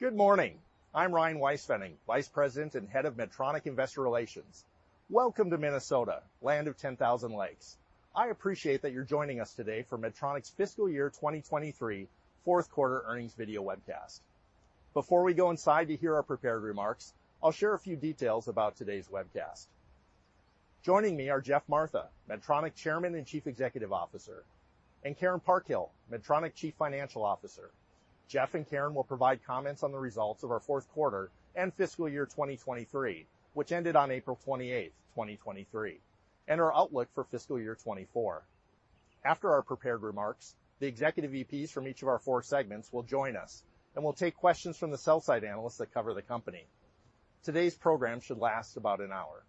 Good morning. I'm Ryan Weispfenning, Vice President and Head of Medtronic Investor Relations. Welcome to Minnesota, Land of 10,000 Lakes. I appreciate that you're joining us today for Medtronic's Fiscal Year 2023, Fourth Quarter Earnings Video Webcast. Before we go inside to hear our prepared remarks, I'll share a few details about today's webcast. Joining me are Geoff Martha, Medtronic Chairman and Chief Executive Officer, and Karen Parkhill, Medtronic Chief Financial Officer. Geoff and Karen will provide comments on the results of our fourth quarter and fiscal year 2023, which ended on April 28, 2023, and our outlook for fiscal year 2024. After our prepared remarks, the executive VPs from each of our four segments will join us, and we'll take questions from the sell side analysts that cover the company. Today's program should last about an hour.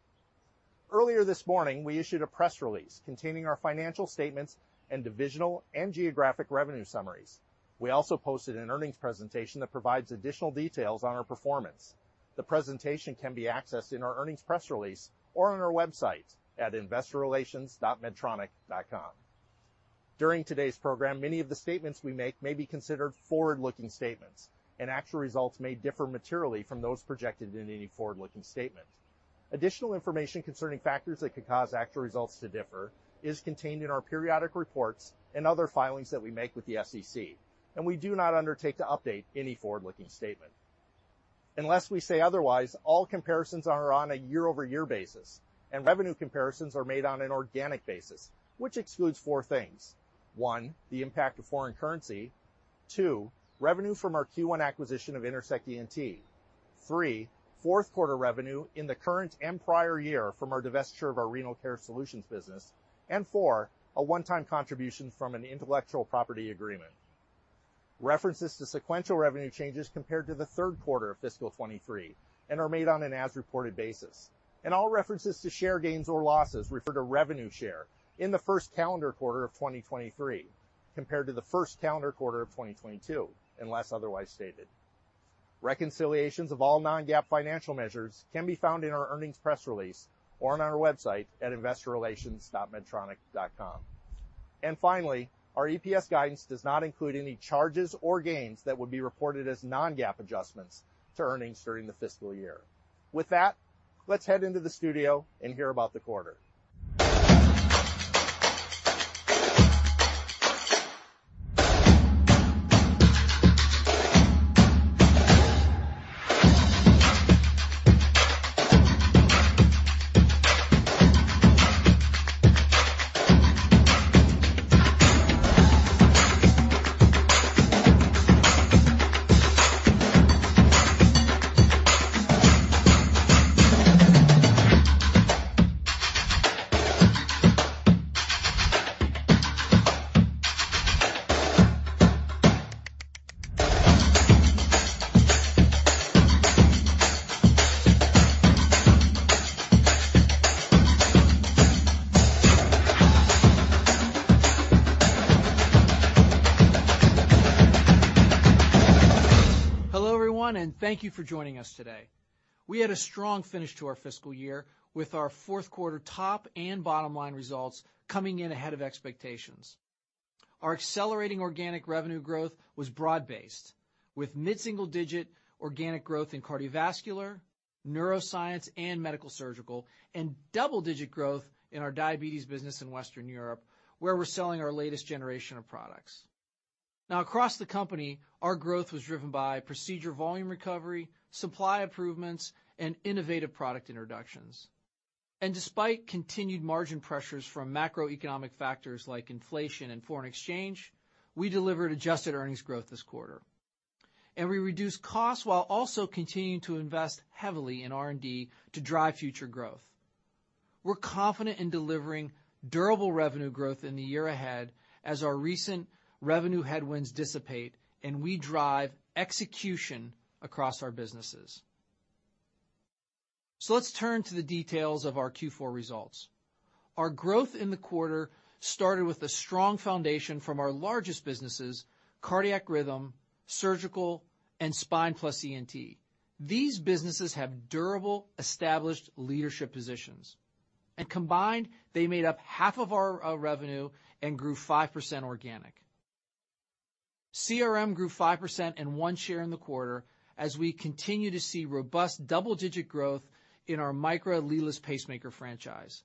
Earlier this morning, we issued a press release containing our financial statements and divisional and geographic revenue summaries. We also posted an earnings presentation that provides additional details on our performance. The presentation can be accessed in our earnings press release or on our website at investorrelations.medtronic.com. During today's program, many of the statements we make may be considered forward-looking statements. Actual results may differ materially from those projected in any forward-looking statement. Additional information concerning factors that could cause actual results to differ is contained in our periodic reports and other filings that we make with the SEC. We do not undertake to update any forward-looking statement. Unless we say otherwise, all comparisons are on a year-over-year basis. Revenue comparisons are made on an organic basis, which excludes four things: 1, the impact of foreign currency. 2, revenue from our Q1 acquisition of Intersect ENT. 3, fourth quarter revenue in the current and prior year from our divestiture of our Renal Care Solutions business. 4, a one-time contribution from an intellectual property agreement. References to sequential revenue changes compared to the third quarter of fiscal 2023 are made on an as-reported basis. All references to share gains or losses refer to revenue share in the first calendar quarter of 2023 compared to the first calendar quarter of 2022, unless otherwise stated. Reconciliations of all non-GAAP financial measures can be found in our earnings press release or on our website at investorrelations.medtronic.com. Finally, our EPS guidance does not include any charges or gains that would be reported as non-GAAP adjustments to earnings during the fiscal year. With that, let's head into the studio and hear about the quarter. Hello, everyone, and thank you for joining us today. We had a strong finish to our fiscal year with our 4th quarter top and bottom line results coming in ahead of expectations. Our accelerating organic revenue growth was broad-based, with mid-single-digit organic growth in Cardiovascular, Neuroscience, and Medical Surgical, and double-digit growth in our diabetes business in Western Europe, where we're selling our latest generation of products. Across the company, our growth was driven by procedure, volume recovery, supply improvements, and innovative product introductions. Despite continued margin pressures from macroeconomic factors like inflation and foreign exchange, we delivered adjusted earnings growth this quarter. We reduced costs while also continuing to invest heavily in R&D to drive future growth. We're confident in delivering durable revenue growth in the year ahead as our recent revenue headwinds dissipate and we drive execution across our businesses. Let's turn to the details of our Q4 results. Our growth in the quarter started with a strong foundation from our largest businesses, Cardiac Rhythm, Surgical, and Spine plus ENT. These businesses have durable, established leadership positions, combined, they made up half of our revenue and grew 5% organic. CRM grew 5% and won share in the quarter as we continue to see robust double-digit growth in our Micra leadless pacemaker franchise.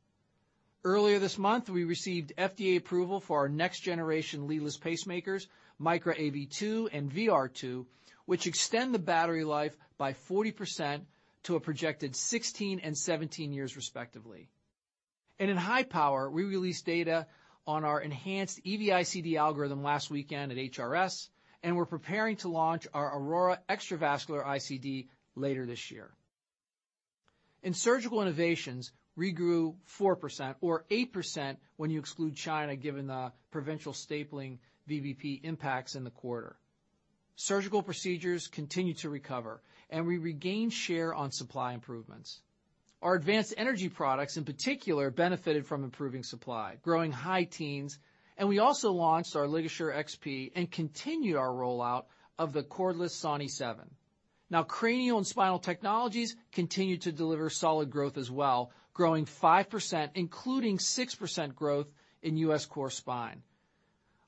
Earlier this month, we received FDA approval for our next generation leadless pacemakers, Micra AV2 and VR2, which extend the battery life by 40% to a projected 16 and 17 years, respectively. In high power, we released data on our enhanced EV-ICD algorithm last weekend at HRS, we're preparing to launch our Aurora Extravascular-ICD later this year. In surgical innovations, we grew 4% or 8% when you exclude China, given the provincial stapling VBP impacts in the quarter. Surgical procedures continue to recover and we regain share on supply improvements. Our advanced energy products, in particular, benefited from improving supply, growing high teens, and we also launched our LigaSure XP and continued our rollout of the cordless Soni 7. Cranial and spinal technologies continue to deliver solid growth as well, growing 5%, including 6% growth in U.S. core spine.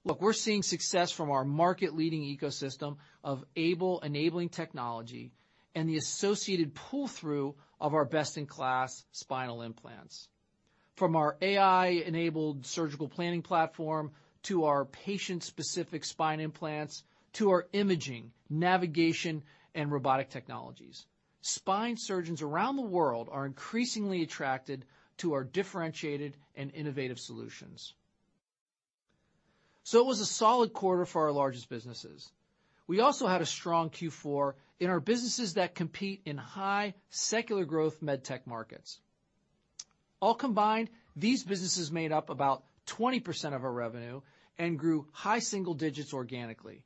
Look, we're seeing success from our market-leading ecosystem of AiBLE-enabling technology and the associated pull-through of our best-in-class spinal implants. From our AI-enabled surgical planning platform, to our patient-specific spine implants, to our imaging, navigation, and robotic technologies, spine surgeons around the world are increasingly attracted to our differentiated and innovative solutions. It was a solid quarter for our largest businesses. We also had a strong Q4 in our businesses that compete in high secular growth med tech markets. All combined, these businesses made up about 20% of our revenue and grew high single digits organically,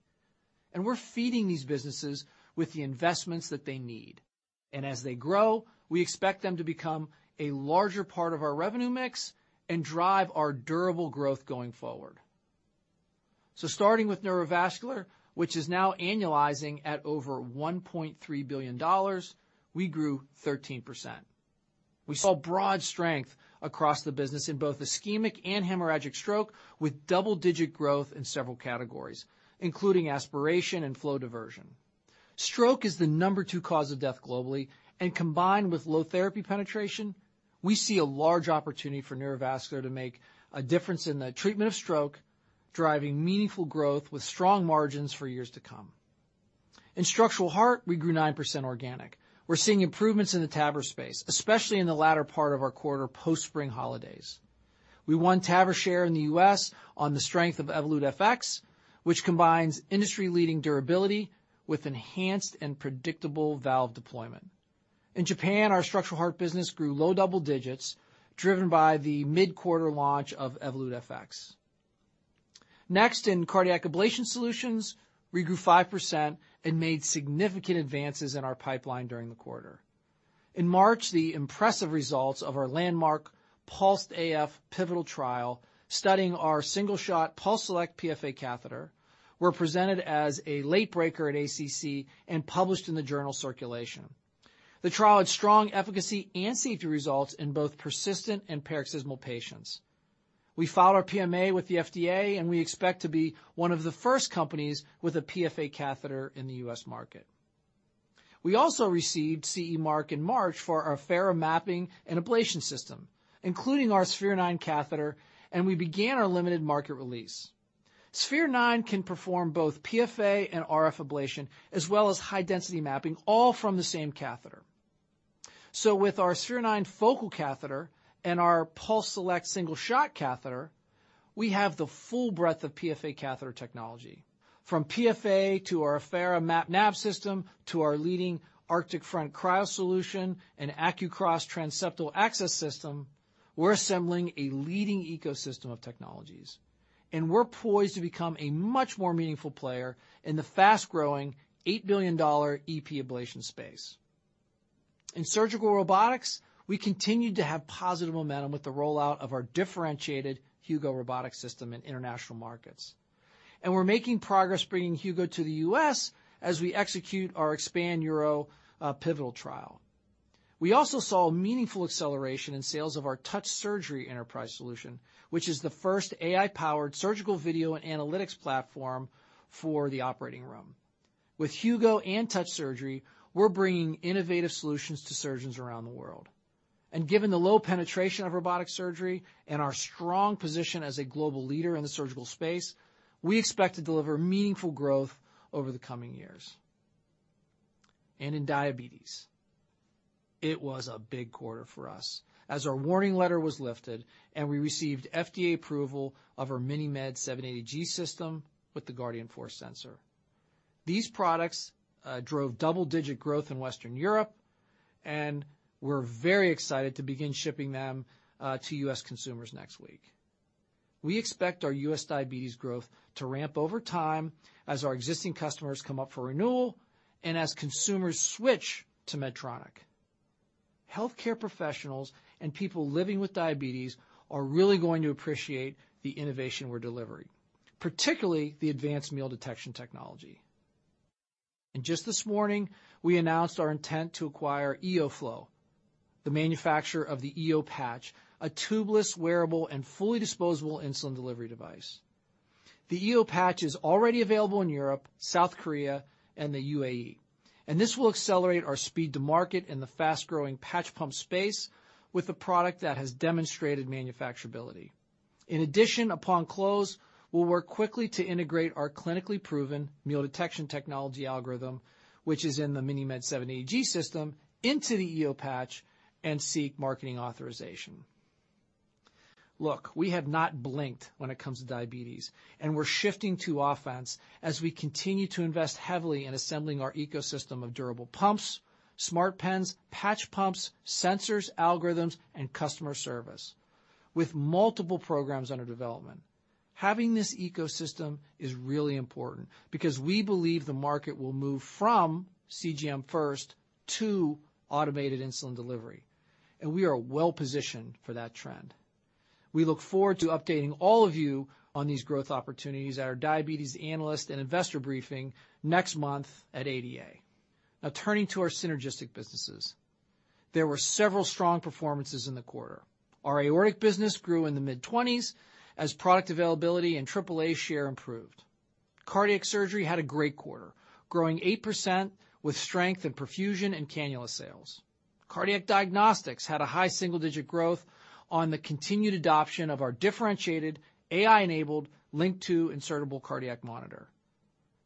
and we're feeding these businesses with the investments that they need. As they grow, we expect them to become a larger part of our revenue mix and drive our durable growth going forward. Starting with neurovascular, which is now annualizing at over $1.3 billion, we grew 13%. We saw broad strength across the business in both ischemic and hemorrhagic stroke, with double-digit growth in several categories, including aspiration and flow diversion. Stroke is the number two cause of death globally, and combined with low therapy penetration, we see a large opportunity for neurovascular to make a difference in the treatment of stroke, driving meaningful growth with strong margins for years to come. In structural heart, we grew 9% organic. We're seeing improvements in the TAVR space, especially in the latter part of our quarter post-spring holidays. We won TAVR share in the U.S. on the strength of Evolut FX, which combines industry-leading durability with enhanced and predictable valve deployment. In Japan, our structural heart business grew low double digits, driven by the mid-quarter launch of Evolut FX. Next, in cardiac ablation solutions, we grew 5% and made significant advances in our pipeline during the quarter. In March, the impressive results of our landmark PULSED AF pivotal trial, studying our single-shot PulseSelect PFA catheter, were presented as a late breaker at ACC and published in the journal Circulation. The trial had strong efficacy and safety results in both persistent and paroxysmal patients. We filed our PMA with the FDA, and we expect to be one of the first companies with a PFA catheter in the U.S. market. We also received CE mark in March for our Affera Mapping and Ablation System, including our Sphere-9 catheter, and we began our limited market release. Sphere-9 can perform both PFA and RF ablation, as well as high-density mapping, all from the same catheter. With our Sphere-9 focal catheter and our PulseSelect single shot catheter, we have the full breadth of PFA catheter technology. From PFA to our Affera Mapping and Ablation System, to our leading Arctic Front Cryo solution and AcQCross transseptal access system, we're assembling a leading ecosystem of technologies, and we're poised to become a much more meaningful player in the fast-growing $8 billion EP ablation space. In surgical robotics, we continued to have positive momentum with the rollout of our differentiated Hugo robotic system in international markets. We're making progress bringing Hugo to the U.S. as we execute our Expand URO pivotal trial. We also saw a meaningful acceleration in sales of our Touch Surgery enterprise solution, which is the first AI-powered surgical video and analytics platform for the operating room. With Hugo and Touch Surgery, we're bringing innovative solutions to surgeons around the world. Given the low penetration of robotic surgery and our strong position as a global leader in the surgical space, we expect to deliver meaningful growth over the coming years. In diabetes, it was a big quarter for us as our warning letter was lifted, and we received FDA approval of our MiniMed 780G system with the Guardian 4 sensor. These products drove double-digit growth in Western Europe, and we're very excited to begin shipping them to U.S. consumers next week. We expect our U.S. diabetes growth to ramp over time as our existing customers come up for renewal and as consumers switch to Medtronic. Healthcare professionals and people living with diabetes are really going to appreciate the innovation we're delivering, particularly the advanced meal detection technology. Just this morning, we announced our intent to acquire EOFlow, the manufacturer of the EOPatch, a tubeless, wearable, and fully disposable insulin delivery device. The EOPatch is already available in Europe, South Korea, and the UAE, and this will accelerate our speed to market in the fast-growing patch pump space with a product that has demonstrated manufacturability. In addition, upon close, we'll work quickly to integrate our clinically proven Meal Detection technology algorithm, which is in the MiniMed 780G system, into the EOPatch and seek marketing authorization. Look, we have not blinked when it comes to diabetes, and we're shifting to offense as we continue to invest heavily in assembling our ecosystem of durable pumps, smart pens, patch pumps, sensors, algorithms, and customer service with multiple programs under development. Having this ecosystem is really important because we believe the market will move from CGM first to automated insulin delivery. We are well positioned for that trend. We look forward to updating all of you on these growth opportunities at our Diabetes Analyst and Investor Briefing next month at ADA. Turning to our synergistic businesses. There were several strong performances in the quarter. Our aortic business grew in the mid-20s as product availability and triple A share improved. Cardiac surgery had a great quarter, growing 8%, with strength in perfusion and cannula sales. Cardiac diagnostics had a high single-digit growth on the continued adoption of our differentiated AI-enabled, LINQ II Insertable Cardiac Monitor.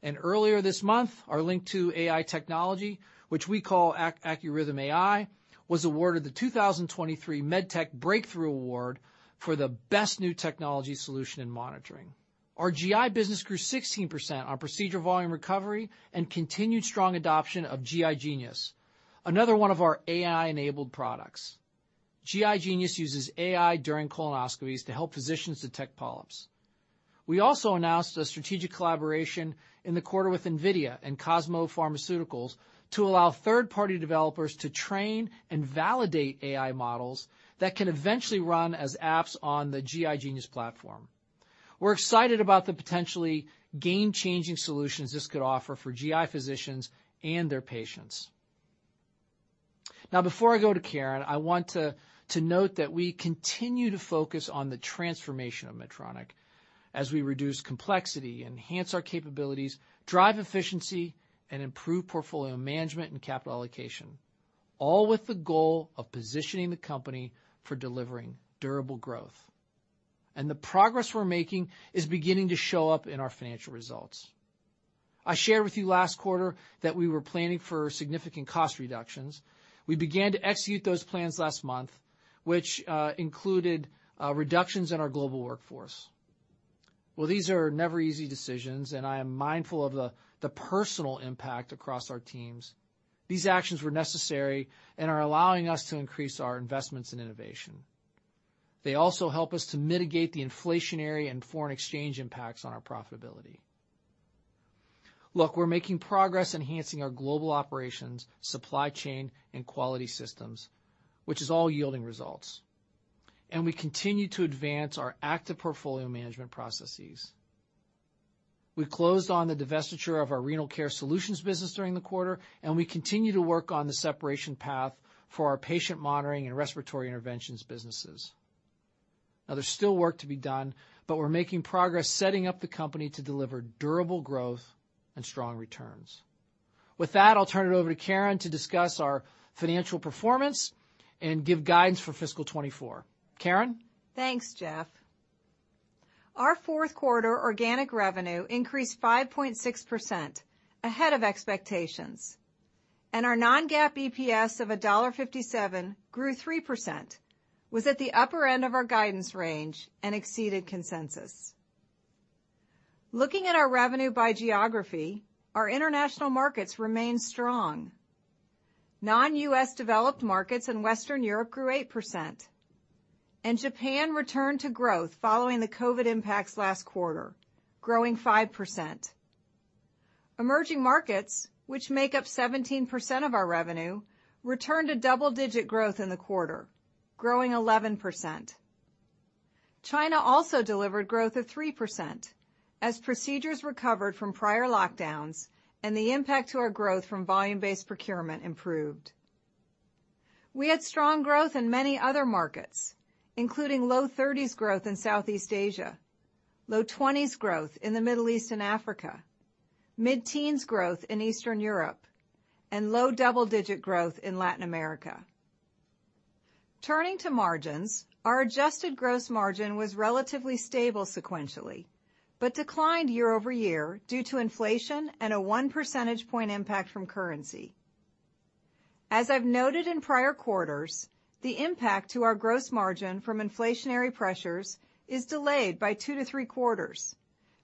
Earlier this month, our LINQ II AI technology, which we call AccuRhythm AI, was awarded the 2023 MedTech Breakthrough Award for the Best New Technology Solution in Monitoring. Our GI business grew 16% on procedure volume recovery and continued strong adoption of GI Genius, another one of our AI-enabled products. GI Genius uses AI during colonoscopies to help physicians detect polyps. We also announced a strategic collaboration in the quarter with NVIDIA and Cosmo Pharmaceuticals to allow third-party developers to train and validate AI models that can eventually run as apps on the GI Genius platform. We're excited about the potentially game-changing solutions this could offer for GI physicians and their patients. Now, before I go to Karen, I want to note that we continue to focus on the transformation of Medtronic as we reduce complexity, enhance our capabilities, drive efficiency, and improve portfolio management and capital allocation, all with the goal of positioning the company for delivering durable growth. The progress we're making is beginning to show up in our financial results. I shared with you last quarter that we were planning for significant cost reductions. We began to execute those plans last month, which included reductions in our global workforce. These are never easy decisions, and I am mindful of the personal impact across our teams. These actions were necessary and are allowing us to increase our investments in innovation. They also help us to mitigate the inflationary and foreign exchange impacts on our profitability. We're making progress enhancing our global operations, supply chain, and quality systems, which is all yielding results, and we continue to advance our active portfolio management processes. We closed on the divestiture of our Renal Care Solutions business during the quarter, and we continue to work on the separation path for our patient monitoring and respiratory interventions businesses. There's still work to be done, but we're making progress, setting up the company to deliver durable growth and strong returns. With that, I'll turn it over to Karen to discuss our financial performance and give guidance for fiscal 2024. Karen? Thanks, Geoff. Our fourth quarter organic revenue increased 5.6%, ahead of expectations. Our non-GAAP EPS of $1.57 grew 3%, was at the upper end of our guidance range and exceeded consensus. Looking at our revenue by geography, our international markets remained strong. Non-U.S. developed markets in Western Europe grew 8%. Japan returned to growth following the COVID impacts last quarter, growing 5%. Emerging markets, which make up 17% of our revenue, returned to double-digit growth in the quarter, growing 11%. China also delivered growth of 3% as procedures recovered from prior lockdowns and the impact to our growth from volume-based procurement improved. We had strong growth in many other markets, including low 30s growth in Southeast Asia, low 20s growth in the Middle East and Africa, mid-teens growth in Eastern Europe, and low double-digit growth in Latin America. Turning to margins, our adjusted gross margin was relatively stable sequentially, but declined year-over-year due to inflation and a 1 percentage point impact from currency. As I've noted in prior quarters, the impact to our gross margin from inflationary pressures is delayed by two to three quarters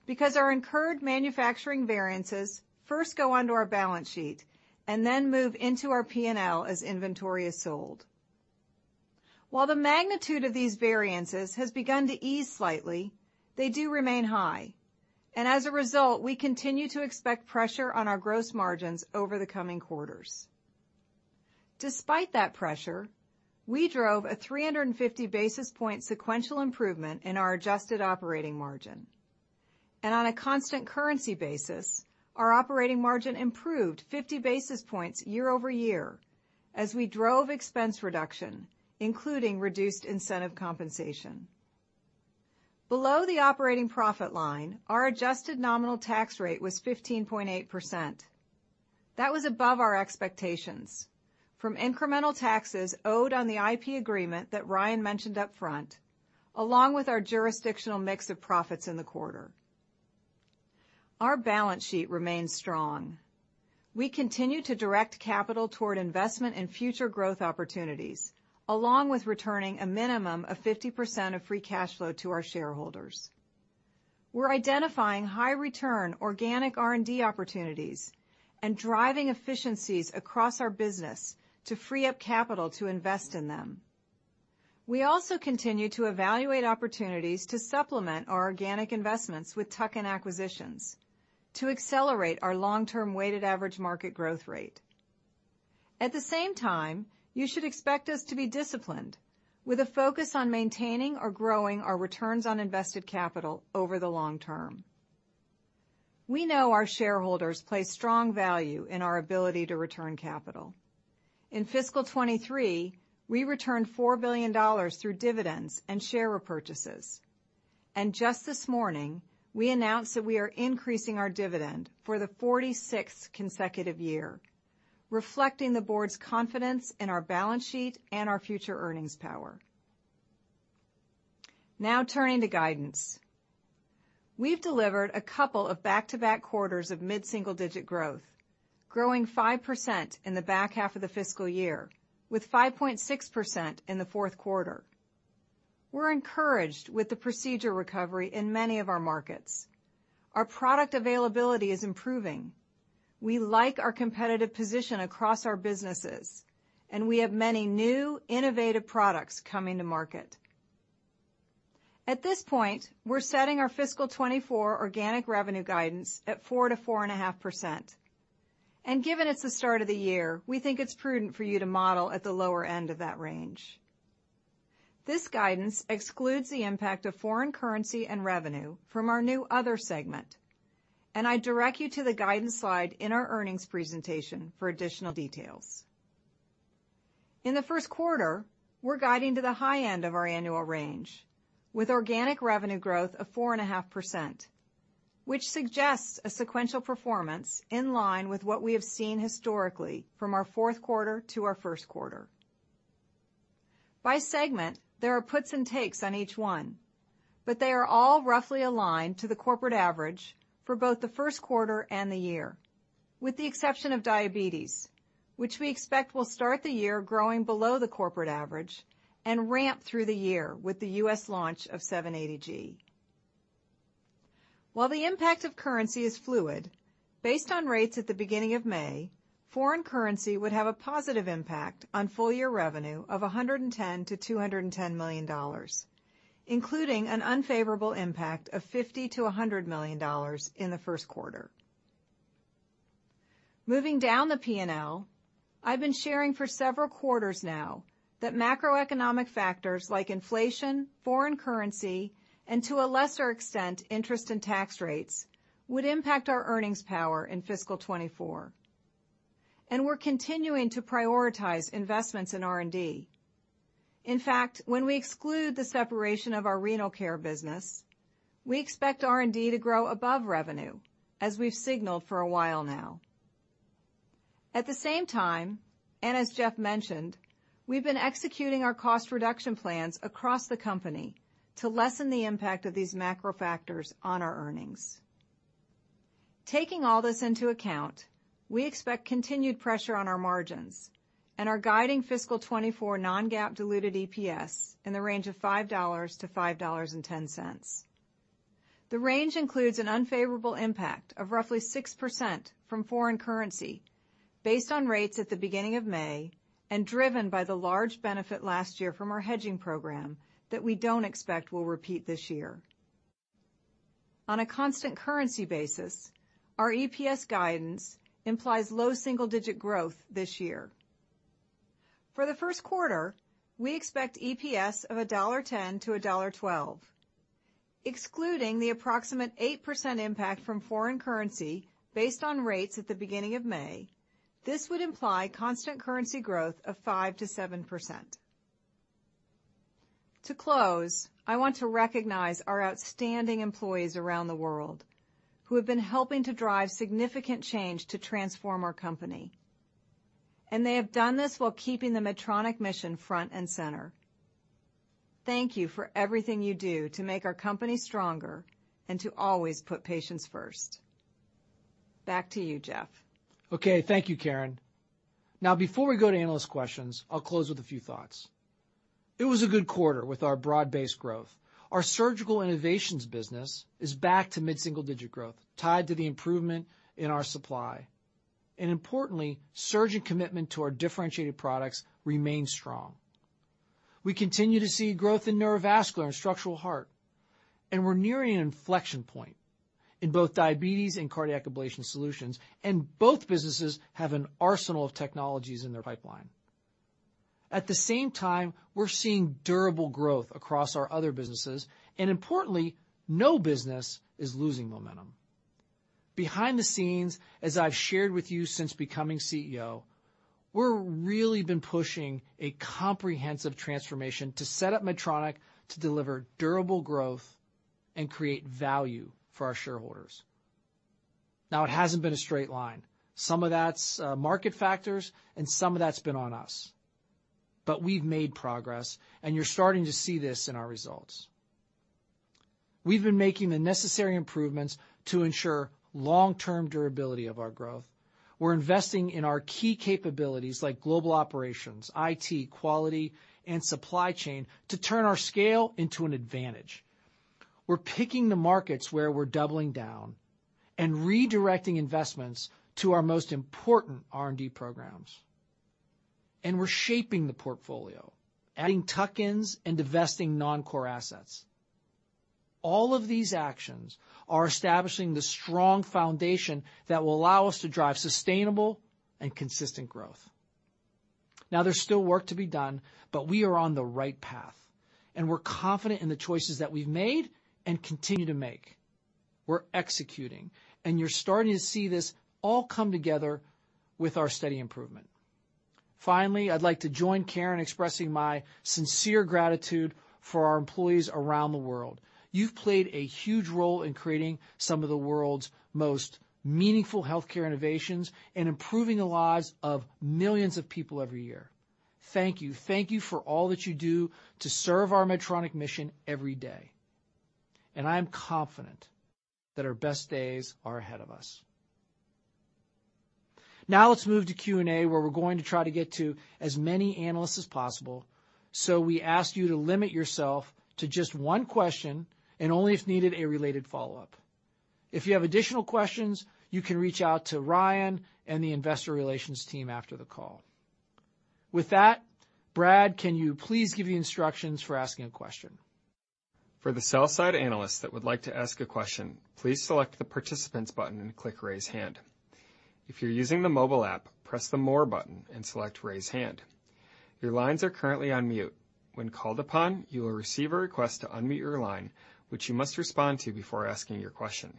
because our incurred manufacturing variances first go onto our balance sheet and then move into our P&L as inventory is sold. While the magnitude of these variances has begun to ease slightly, they do remain high, and as a result, we continue to expect pressure on our gross margins over the coming quarters. Despite that pressure, we drove a 350 basis point sequential improvement in our adjusted operating margin. On a constant currency basis, our operating margin improved 50 basis points year-over-year as we drove expense reduction, including reduced incentive compensation. Below the operating profit line, our adjusted nominal tax rate was 15.8%. That was above our expectations from incremental taxes owed on the IP agreement that Ryan mentioned upfront, along with our jurisdictional mix of profits in the quarter. Our balance sheet remains strong. We continue to direct capital toward investment and future growth opportunities, along with returning a minimum of 50% of free cash flow to our shareholders. We're identifying high-return organic R&D opportunities and driving efficiencies across our business to free up capital to invest in them. We also continue to evaluate opportunities to supplement our organic investments with tuck-in acquisitions to accelerate our long-term weighted average market growth rate. At the same time, you should expect us to be disciplined, with a focus on maintaining or growing our returns on invested capital over the long term. We know our shareholders place strong value in our ability to return capital. In fiscal 2023, we returned $4 billion through dividends and share repurchases. Just this morning, we announced that we are increasing our dividend for the 46th consecutive year, reflecting the board's confidence in our balance sheet and our future earnings power. Now, turning to guidance. We've delivered a couple of back-to-back quarters of mid-single-digit growth, growing 5% in the back half of the fiscal year, with 5.6% in the fourth quarter. We're encouraged with the procedure recovery in many of our markets. Our product availability is improving. We like our competitive position across our businesses, and we have many new innovative products coming to market. At this point, we're setting our fiscal 2024 organic revenue guidance at 4%-4.5%. Given it's the start of the year, we think it's prudent for you to model at the lower end of that range. This guidance excludes the impact of foreign currency and revenue from our new other segment. I direct you to the guidance slide in our earnings presentation for additional details. In the first quarter, we're guiding to the high end of our annual range, with organic revenue growth of 4.5%, which suggests a sequential performance in line with what we have seen historically from our fourth quarter to our first quarter. By segment, there are puts and takes on each one, but they are all roughly aligned to the corporate average for both the first quarter and the year, with the exception of diabetes, which we expect will start the year growing below the corporate average and ramp through the year with the U.S. launch of 780G. While the impact of currency is fluid, based on rates at the beginning of May, foreign currency would have a positive impact on full year revenue of $110 million-$210 million, including an unfavorable impact of $50 million-$100 million in the first quarter. Moving down the P&L, I've been sharing for several quarters now that macroeconomic factors like inflation, foreign currency, and to a lesser extent, interest and tax rates, would impact our earnings power in fiscal 2024. We're continuing to prioritize investments in R&D. In fact, when we exclude the separation of our renal care business, we expect R&D to grow above revenue, as we've signaled for a while now. At the same time, and as Geoff mentioned, we've been executing our cost reduction plans across the company to lessen the impact of these macro factors on our earnings. Taking all this into account, we expect continued pressure on our margins and are guiding fiscal 2024 non-GAAP diluted EPS in the range of $5.00-$5.10. The range includes an unfavorable impact of roughly 6% from foreign currency based on rates at the beginning of May, and driven by the large benefit last year from our hedging program that we don't expect will repeat this year. On a constant currency basis, our EPS guidance implies low single-digit growth this year. For the first quarter, we expect EPS of $1.10-$1.12, excluding the approximate 8% impact from foreign currency based on rates at the beginning of May. This would imply constant currency growth of 5%-7%. To close, I want to recognize our outstanding employees around the world, who have been helping to drive significant change to transform our company. They have done this while keeping the Medtronic mission front and center. Thank you for everything you do to make our company stronger and to always put patients first. Back to you, Geoff. Okay, thank you, Karen. Before we go to analyst questions, I'll close with a few thoughts. It was a good quarter with our broad-based growth. Our surgical innovations business is back to mid-single-digit growth, tied to the improvement in our supply. Importantly, surgeon commitment to our differentiated products remains strong. We continue to see growth in neurovascular and structural heart, and we're nearing an inflection point in both diabetes and cardiac ablation solutions, and both businesses have an arsenal of technologies in their pipeline. At the same time, we're seeing durable growth across our other businesses, and importantly, no business is losing momentum. Behind the scenes, as I've shared with you since becoming CEO, we're really been pushing a comprehensive transformation to set up Medtronic to deliver durable growth and create value for our shareholders. It hasn't been a straight line. Some of that's market factors and some of that's been on us. We've made progress, and you're starting to see this in our results. We've been making the necessary improvements to ensure long-term durability of our growth. We're investing in our key capabilities like global operations, IT, quality, and supply chain to turn our scale into an advantage. We're picking the markets where we're doubling down and redirecting investments to our most important R&D programs. We're shaping the portfolio, adding tuck-ins and divesting non-core assets. All of these actions are establishing the strong foundation that will allow us to drive sustainable and consistent growth. Now, there's still work to be done, but we are on the right path, and we're confident in the choices that we've made and continue to make. We're executing, and you're starting to see this all come together with our steady improvement. Finally, I'd like to join Karen in expressing my sincere gratitude for our employees around the world. You've played a huge role in creating some of the world's most meaningful healthcare innovations and improving the lives of millions of people every year. Thank you. Thank you for all that you do to serve our Medtronic mission every day. I am confident that our best days are ahead of us. Let's move to Q&A, where we're going to try to get to as many analysts as possible. We ask you to limit yourself to just one question and only if needed, a related follow-up. If you have additional questions, you can reach out to Ryan and the investor relations team after the call. With that, Brad, can you please give the instructions for asking a question? For the sell-side analysts that would like to ask a question, please select the Participants button and click Raise Hand. If you're using the mobile app, press the More button and select Raise Hand. Your lines are currently on mute. When called upon, you will receive a request to unmute your line, which you must respond to before asking your question.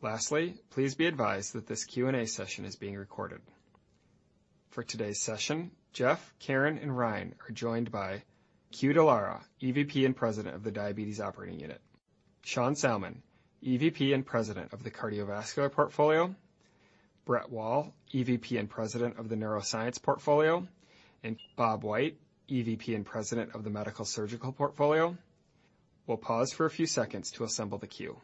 Lastly, please be advised that this Q&A session is being recorded. For today's session, Geoff, Karen, and Ryan are joined by Que Dallara, EVP and President of the Diabetes Operating Unit, Sean Salmon, EVP and President of the Cardiovascular Portfolio, Brett Wall, EVP and President of the Neuroscience Portfolio, and Bob White, EVP and President of the Medical Surgical Portfolio. We'll pause for a few seconds to assemble the queue.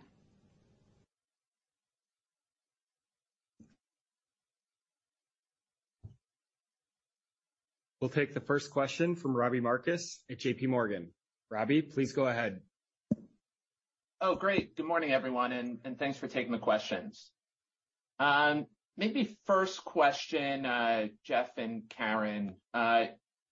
We'll take the first question from Robbie Marcus at JP Morgan. Robbie, please go ahead. Great. Good morning, everyone, and thanks for taking the questions. Maybe first question, Geoff and Karen,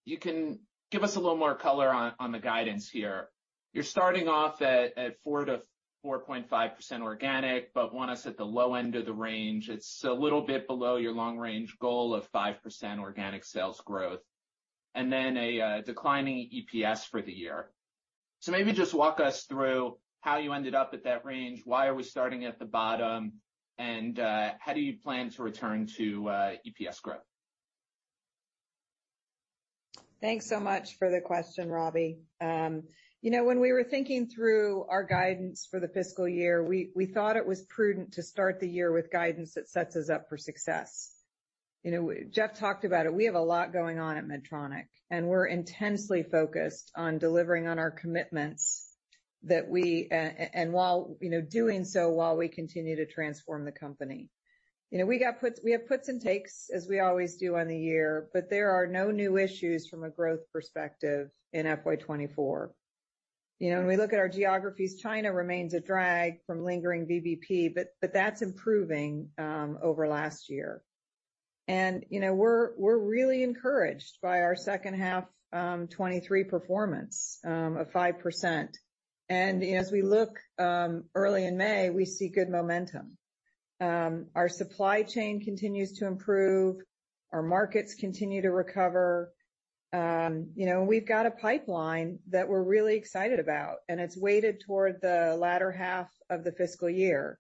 you can give us a little more color on the guidance here. You're starting off at 4%-4.5% organic, want us at the low end of the range. It's a little bit below your long-range goal of 5% organic sales growth, then a declining EPS for the year. Maybe just walk us through how you ended up at that range. Why are we starting at the bottom, and how do you plan to return to EPS growth? Thanks so much for the question, Robbie. You know, when we were thinking through our guidance for the fiscal year, we thought it was prudent to start the year with guidance that sets us up for success. You know, Geoff talked about it. We have a lot going on at Medtronic, and we're intensely focused on delivering on our commitments that we, and while, you know, doing so, while we continue to transform the company. You know, we have puts and takes, as we always do on the year, but there are no new issues from a growth perspective in FY 2024. You know, when we look at our geographies, China remains a drag from lingering VBP, but that's improving over last year. You know, we're really encouraged by our second half 2023 performance of 5%. As we look, early in May, we see good momentum. Our supply chain continues to improve, our markets continue to recover. You know, we've got a pipeline that we're really excited about, and it's weighted toward the latter half of the fiscal year.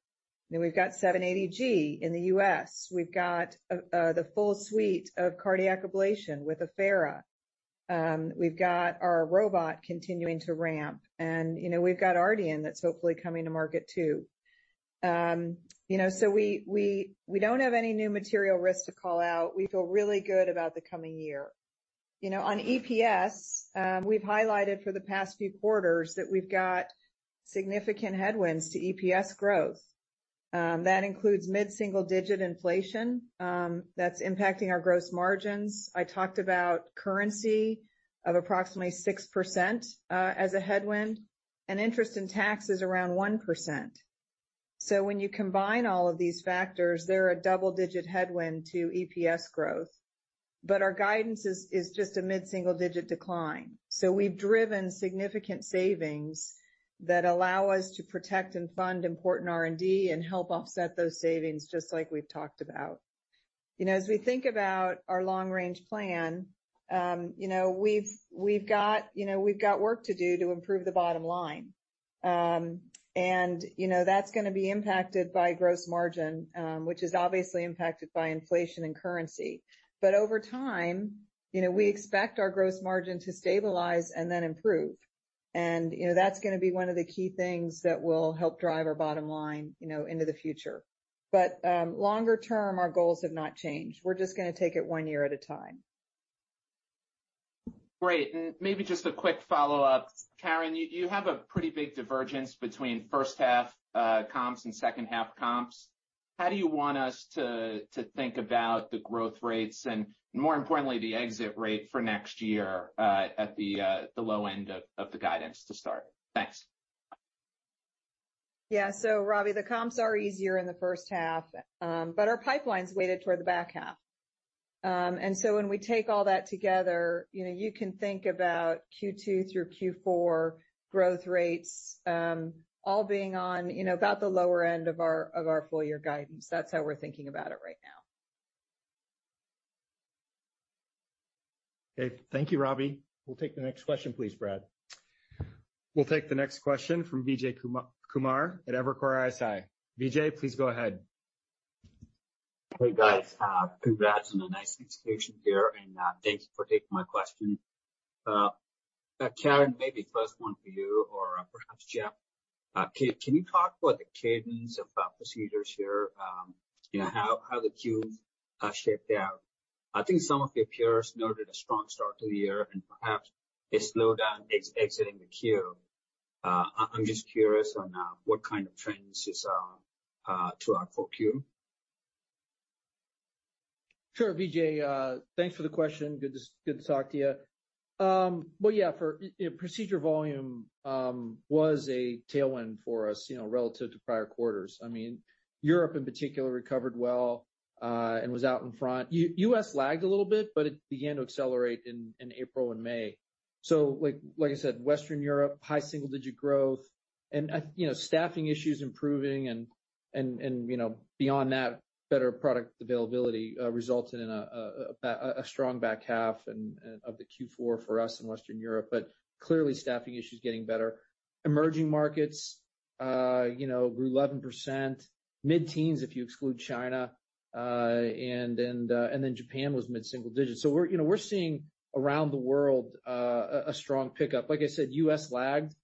We've got 780G in the U.S. We've got the full suite of cardiac ablation with Affera. We've got our robot continuing to ramp, and, you know, we've got Ardian that's hopefully coming to market too. You know, we don't have any new material risk to call out. We feel really good about the coming year. You know, on EPS, we've highlighted for the past few quarters that we've got significant headwinds to EPS growth. That includes mid-single-digit inflation that's impacting our gross margins. I talked about currency of approximately 6% as a headwind, and interest in tax is around 1%. When you combine all of these factors, they're a double-digit headwind to EPS growth. Our guidance is just a mid-single-digit decline. We've driven significant savings that allow us to protect and fund important R&D and help offset those savings, just like we've talked about. You know, as we think about our long-range plan, you know, we've got, you know, we've got work to do to improve the bottom line. You know, that's going to be impacted by gross margin, which is obviously impacted by inflation and currency. Over time, you know, we expect our gross margin to stabilize and then improve. You know, that's going to be one of the key things that will help drive our bottom line, you know, into the future. Longer term, our goals have not changed. We're just going to take it one year at a time. Great. Maybe just a quick follow-up. Karen, you have a pretty big divergence between first half comps and second half comps. How do you want us to think about the growth rates and, more importantly, the exit rate for next year at the low end of the guidance to start? Thanks. Yeah. Robbie, the comps are easier in the first half, Our pipeline is weighted toward the back half. When we take all that together, you know, you can think about Q2 through Q4 growth rates, all being on, you know, about the lower end of our, of our full year guidance. That's how we're thinking about it right now. Okay, thank you, Robbie. We'll take the next question, please, Brad. We'll take the next question from Vijay Kumar at Evercore ISI. Vijay, please go ahead. Hey, guys, congrats on a nice execution here, and thank you for taking my question. Karen, maybe first one for you or perhaps Geoff. Can you talk about the cadence of procedures here? You know, how the Qs shaped out? I think some of your peers noted a strong start to the year and perhaps a slowdown exiting the Q. I'm just curious on what kind of trends is throughout for Q? Sure, Vijay, thanks for the question. Good to talk to you. Well, yeah, for, procedure volume, was a tailwind for us, you know, relative to prior quarters. I mean, Europe in particular, recovered well, and was out in front. U.S. lagged a little bit, but it began to accelerate in April and May. Like I said, Western Europe, high single-digit growth and, you know, staffing issues improving and, you know, beyond that, better product availability, resulted in a strong back half and, of the Q4 for us in Western Europe, but clearly staffing issues getting better. Emerging markets, you know, grew 11%, mid-teens if you exclude China, and then Japan was mid-single digits. We're, you know, we're seeing around the world, a strong pickup. Like I said, U.S. lagged,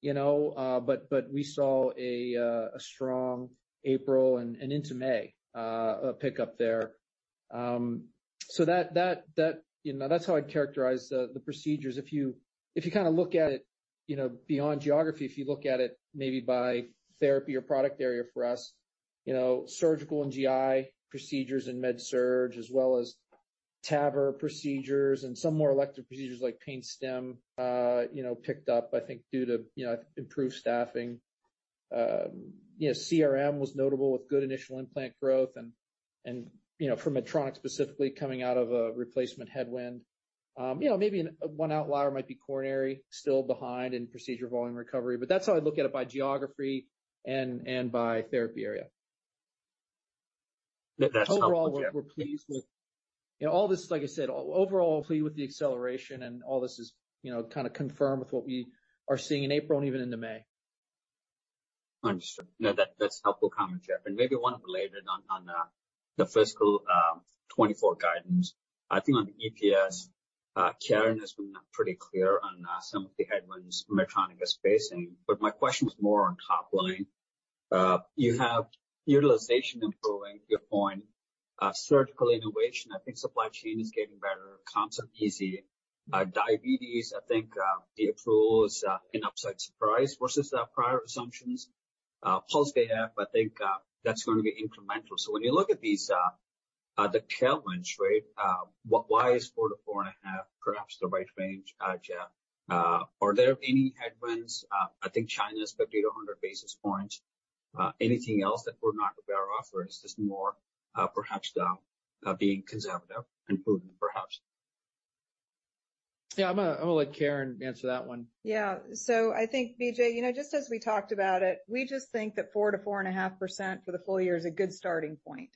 you know, but we saw a strong April and into May, a pickup there. So that, you know, that's how I'd characterize the procedures. If you kind of look at it, you know, beyond geography, if you look at it maybe by therapy or product area for us, you know, surgical and GI procedures and Medical-Surgical, as well as TAVR procedures and some more elective procedures like pain stem, you know, picked up, I think, due to, you know, improved staffing. You know, CRM was notable with good initial implant growth and, you know, for Medtronic, specifically coming out of a replacement headwind. You know, maybe one outlier might be coronary, still behind in procedure volume recovery, but that's how I look at it by geography and by therapy area. That's helpful, Geoff. You know, all this, like I said, overall, hopefully with the acceleration and all this is, you know, kind of confirmed with what we are seeing in April and even into May. Understood. No, that's helpful commentary, Geoff, and maybe one related on the fiscal 2024 guidance. I think on the EPS, Karen has been pretty clear on some of the headwinds Medtronic is facing, but my question is more on top line. You have utilization improving your point, surgical innovation. I think supply chain is getting better, comps are easy. Diabetes, I think, the approval is an upside surprise versus the prior assumptions. PulseSelect, I think, that's going to be incremental. When you look at these, the tailwinds, right, why is 4-4.5, perhaps the right range, Geoff? Are there any headwinds? I think China is 50-100 basis points. Anything else that we're not aware of, or is this more, perhaps, being conservative and proven, perhaps? Yeah, I'm gonna let Karen answer that one. Yeah. I think, Vijay, you know, just as we talked about it, we just think that 4%-4.5% for the full year is a good starting point.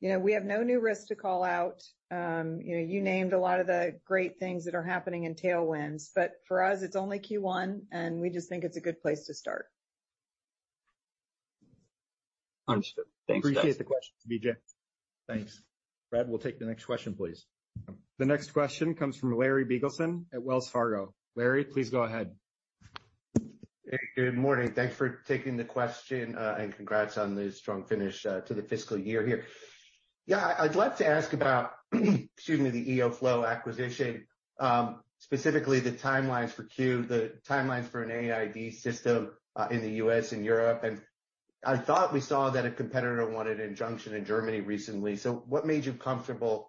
You know, we have no new risk to call out. You know, you named a lot of the great things that are happening in tailwinds, but for us, it's only Q1, and we just think it's a good place to start. Understood. Thanks, guys. Appreciate the question, Vijay. Thanks. Brad, we'll take the next question, please. The next question comes from Larry Biegelsen at Wells Fargo. Larry, please go ahead. Hey, good morning. Thanks for taking the question, and congrats on the strong finish to the fiscal year here. Yeah, I'd like to ask about, excuse me, the EOFlow acquisition, specifically the timelines for Q, the timelines for an AID system in the U.S. and Europe. I thought we saw that a competitor wanted an injunction in Germany recently. What made you comfortable,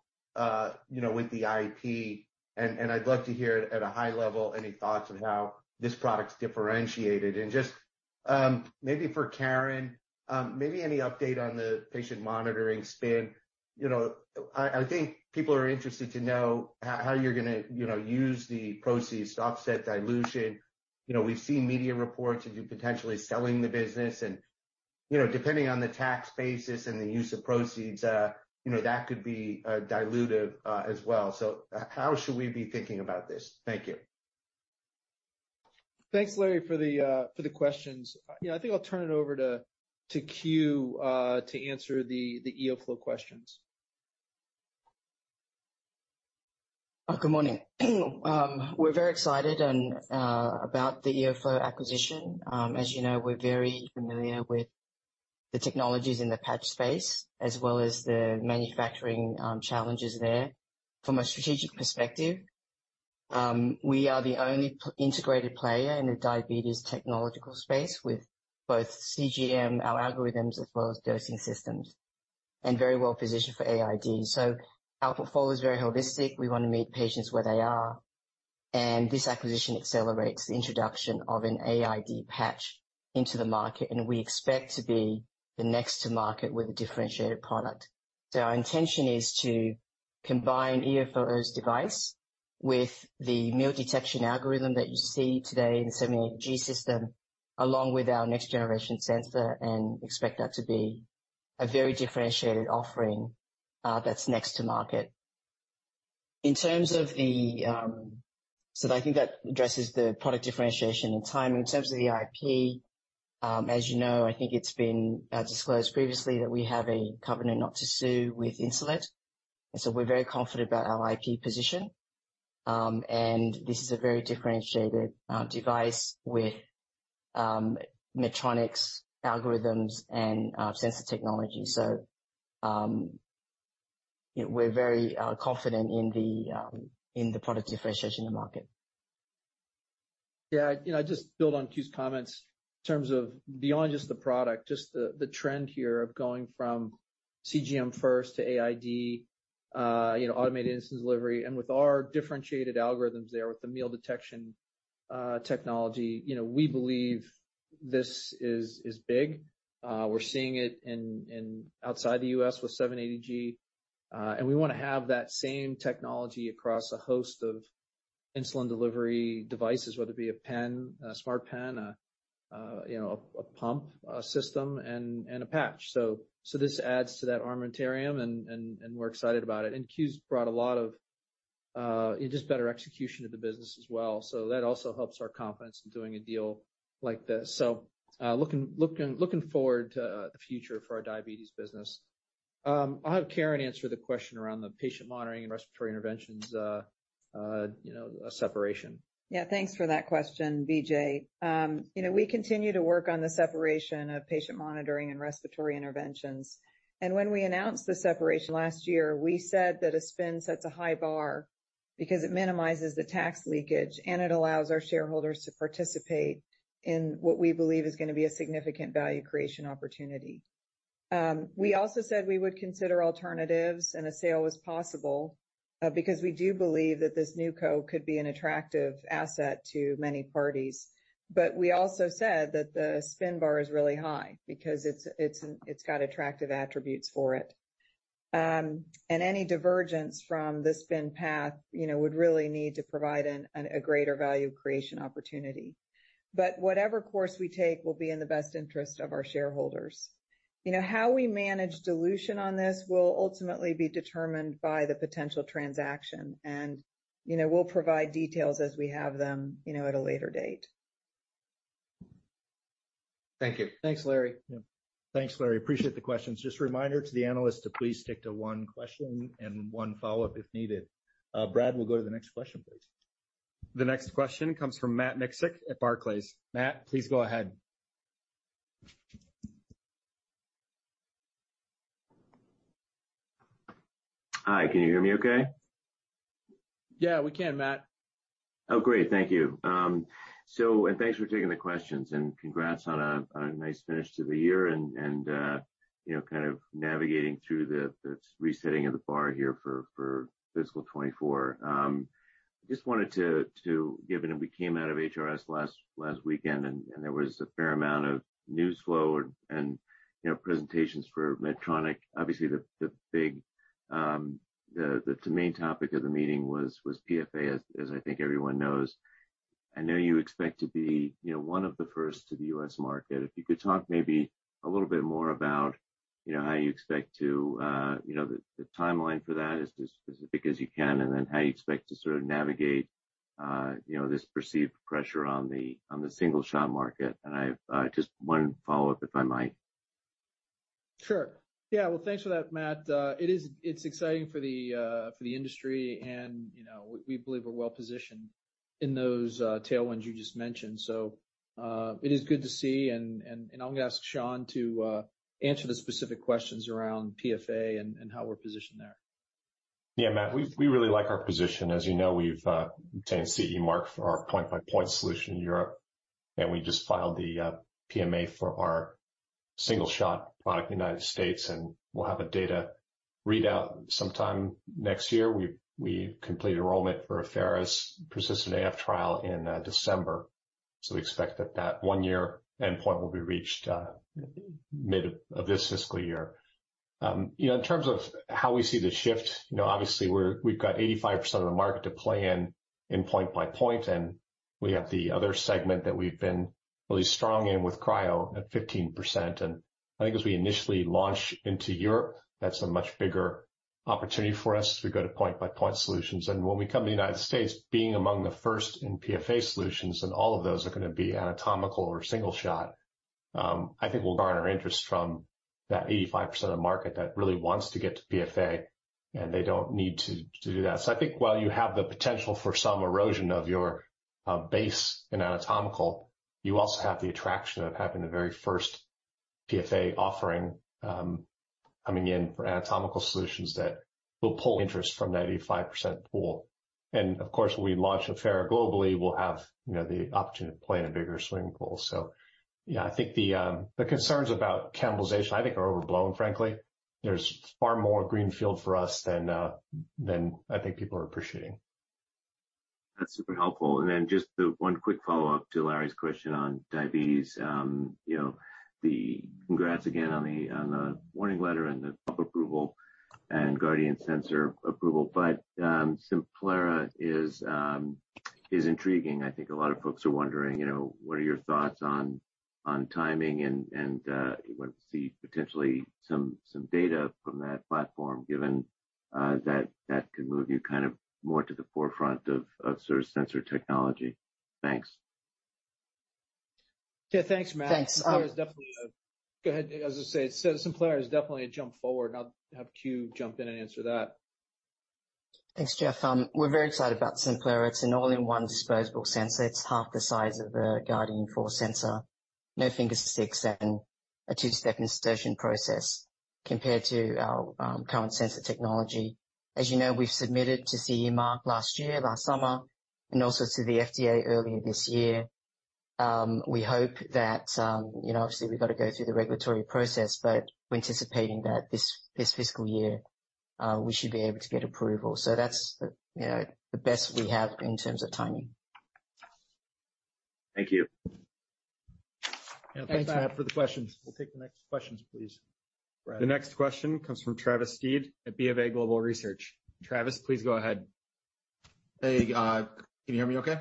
you know, with the IP? I'd like to hear it at a high level, any thoughts on how this product's differentiated? Just, maybe for Karen, maybe any update on the patient monitoring spin. You know, I think people are interested to know how you're gonna, you know, use the proceeds to offset dilution. You know, we've seen media reports of you potentially selling the business, and, you know, depending on the tax basis and the use of proceeds, you know, that could be dilutive as well. How should we be thinking about this? Thank you. Thanks, Larry, for the questions. You know, I think I'll turn it over to Que to answer the EOFlow questions. Good morning. We're very excited and about the EOFlow acquisition. As you know, we're very familiar with the technologies in the patch space, as well as the manufacturing challenges there. From a strategic perspective, we are the only integrated player in the diabetes technological space with both CGM, our algorithms, as well as dosing systems, and very well positioned for AID. Our portfolio is very holistic. We want to meet patients where they are. This acquisition accelerates the introduction of an AID patch into the market, and we expect to be the next to market with a differentiated product. Our intention is to combine EOFlow's device with the Meal Detection algorithm that you see today in the 780G system, along with our next generation sensor, and expect that to be a very differentiated offering that's next to market. In terms of the, I think that addresses the product differentiation and timing. In terms of the IP, as you know, I think it's been disclosed previously that we have a covenant not to sue with Insulet, we're very confident about our IP position. This is a very differentiated device with Medtronic's algorithms and sensor technology. We're very confident in the product differentiation in the market. Yeah, you know, just build on Que's comments in terms of beyond just the product, just the trend here of going from CGM first to AID, you know, automated insulin delivery, and with our differentiated algorithms there, with the Meal Detection technology, you know, we believe this is big. We're seeing it in outside the U.S. with 780G, and we wanna have that same technology across a host of insulin delivery devices, whether it be a pen, a smart pen, a, you know, a pump, a system, and a patch. This adds to that armamentarium, and we're excited about it. Que's brought a lot of just better execution of the business as well. That also helps our confidence in doing a deal like this looking forward to the future for our diabetes business. I'll have Karen answer the question around the patient monitoring and respiratory interventions, you know, separation. Yeah, thanks for that question, Larry. You know, we continue to work on the separation of patient monitoring and respiratory interventions, when we announced the separation last year, we said that a spin sets a high bar because it minimizes the tax leakage, and it allows our shareholders to participate in what we believe is gonna be a significant value creation opportunity. We also said we would consider alternatives, a sale was possible because we do believe that this new co could be an attractive asset to many parties. We also said that the spin bar is really high because it's got attractive attributes for it. Any divergence from the spin path, you know, would really need to provide a greater value creation opportunity. Whatever course we take will be in the best interest of our shareholders. You know, how we manage dilution on this will ultimately be determined by the potential transaction, and, you know, we'll provide details as we have them, you know, at a later date. Thank you. Thanks, Larry. Yeah. Thanks, Larry. Appreciate the questions. Just a reminder to the analysts to please stick to one question and one follow-up if needed. Brad, we'll go to the next question, please. The next question comes from Matt Miksic at Barclays. Matt, please go ahead. Hi, can you hear me okay? Yeah, we can, Matt. Great. Thank you. And thanks for taking the questions, and congrats on a nice finish to the year and, you know, kind of navigating through the resetting of the bar here for fiscal 2024. Just wanted to given that we came out of HRS last weekend and there was a fair amount of news flow and, you know, presentations for Medtronic. Obviously, the big, the main topic of the meeting was PFA, as I think everyone knows. I know you expect to be, you know, one of the first to the U.S. market. If you could talk maybe a little bit more about, you know, how you expect to, you know, the timeline for that as specific as you can, and then how you expect to sort of navigate, you know, this perceived pressure on the single shot market. I've just one follow-up, if I might. Sure. Yeah. Well, thanks for that, Matt. It is, it's exciting for the industry, and, you know, we believe we're well positioned in those tailwinds you just mentioned. It is good to see, and I'm gonna ask Sean to answer the specific questions around PFA and how we're positioned there. Yeah, Matt, we really like our position. As you know, we've obtained CE mark for our point-by-point solution in Europe. We just filed the PMA for our single shot product in the United States, and we'll have a data readout sometime next year. We completed enrollment for a Pulsed Field persistent AF trial in December, so we expect that that one-year endpoint will be reached mid of this fiscal year. You know, in terms of how we see the shift, you know, obviously, we've got 85% of the market to play in point by point, and we have the other segment that we've been really strong in with Cryo at 15%. I think as we initially launch into Europe, that's a much bigger opportunity for us as we go to point-by-point solutions. When we come to the United States, being among the first in PFA solutions, and all of those are gonna be anatomical or single shot, I think we'll garner interest from that 85% of the market that really wants to get to PFA, and they don't need to do that. I think while you have the potential for some erosion of your base in anatomical, you also have the attraction of having the very first PFA offering coming in for anatomical solutions that will pull interest from that 85% pool. Of course, when we launch Affera globally, we'll have you know, the opportunity to play in a bigger swimming pool. I think the concerns about cannibalization, I think, are overblown, frankly. There's far more greenfield for us than I think people are appreciating. That's super helpful. Then just the one quick follow-up to Larry's question on diabetes. You know, the congrats again on the, on the warning letter and the approval and Guardian sensor approval, Simplera is intriguing. I think a lot of folks are wondering, you know, what are your thoughts on timing and when to see potentially some data from that platform, given that that could move you kind of more to the forefront of sort of sensor technology. Thanks. Yeah, thanks, Matt. Thanks. There's definitely a... Go ahead. As I say, Simplera is definitely a jump forward, and I'll have Que jump in and answer that. Thanks, Geoff. We're very excited about Simplera. It's an all-in-one disposable sensor. It's half the size of the Guardian 4 sensor, no finger sticks, and a 2-step insertion process compared to our current sensor technology. As you know, we've submitted to CE Mark last year, last summer, and also to the FDA earlier this year. We hope that, you know, obviously, we've got to go through the regulatory process, but we're anticipating that this fiscal year, we should be able to get approval. That's the, you know, the best we have in terms of timing. Thank you. Thanks, Matt. Thanks, Matt, for the questions. We'll take the next questions, please. The next question comes from Travis Steed at BofA Global Research. Travis, please go ahead. Hey, can you hear me okay?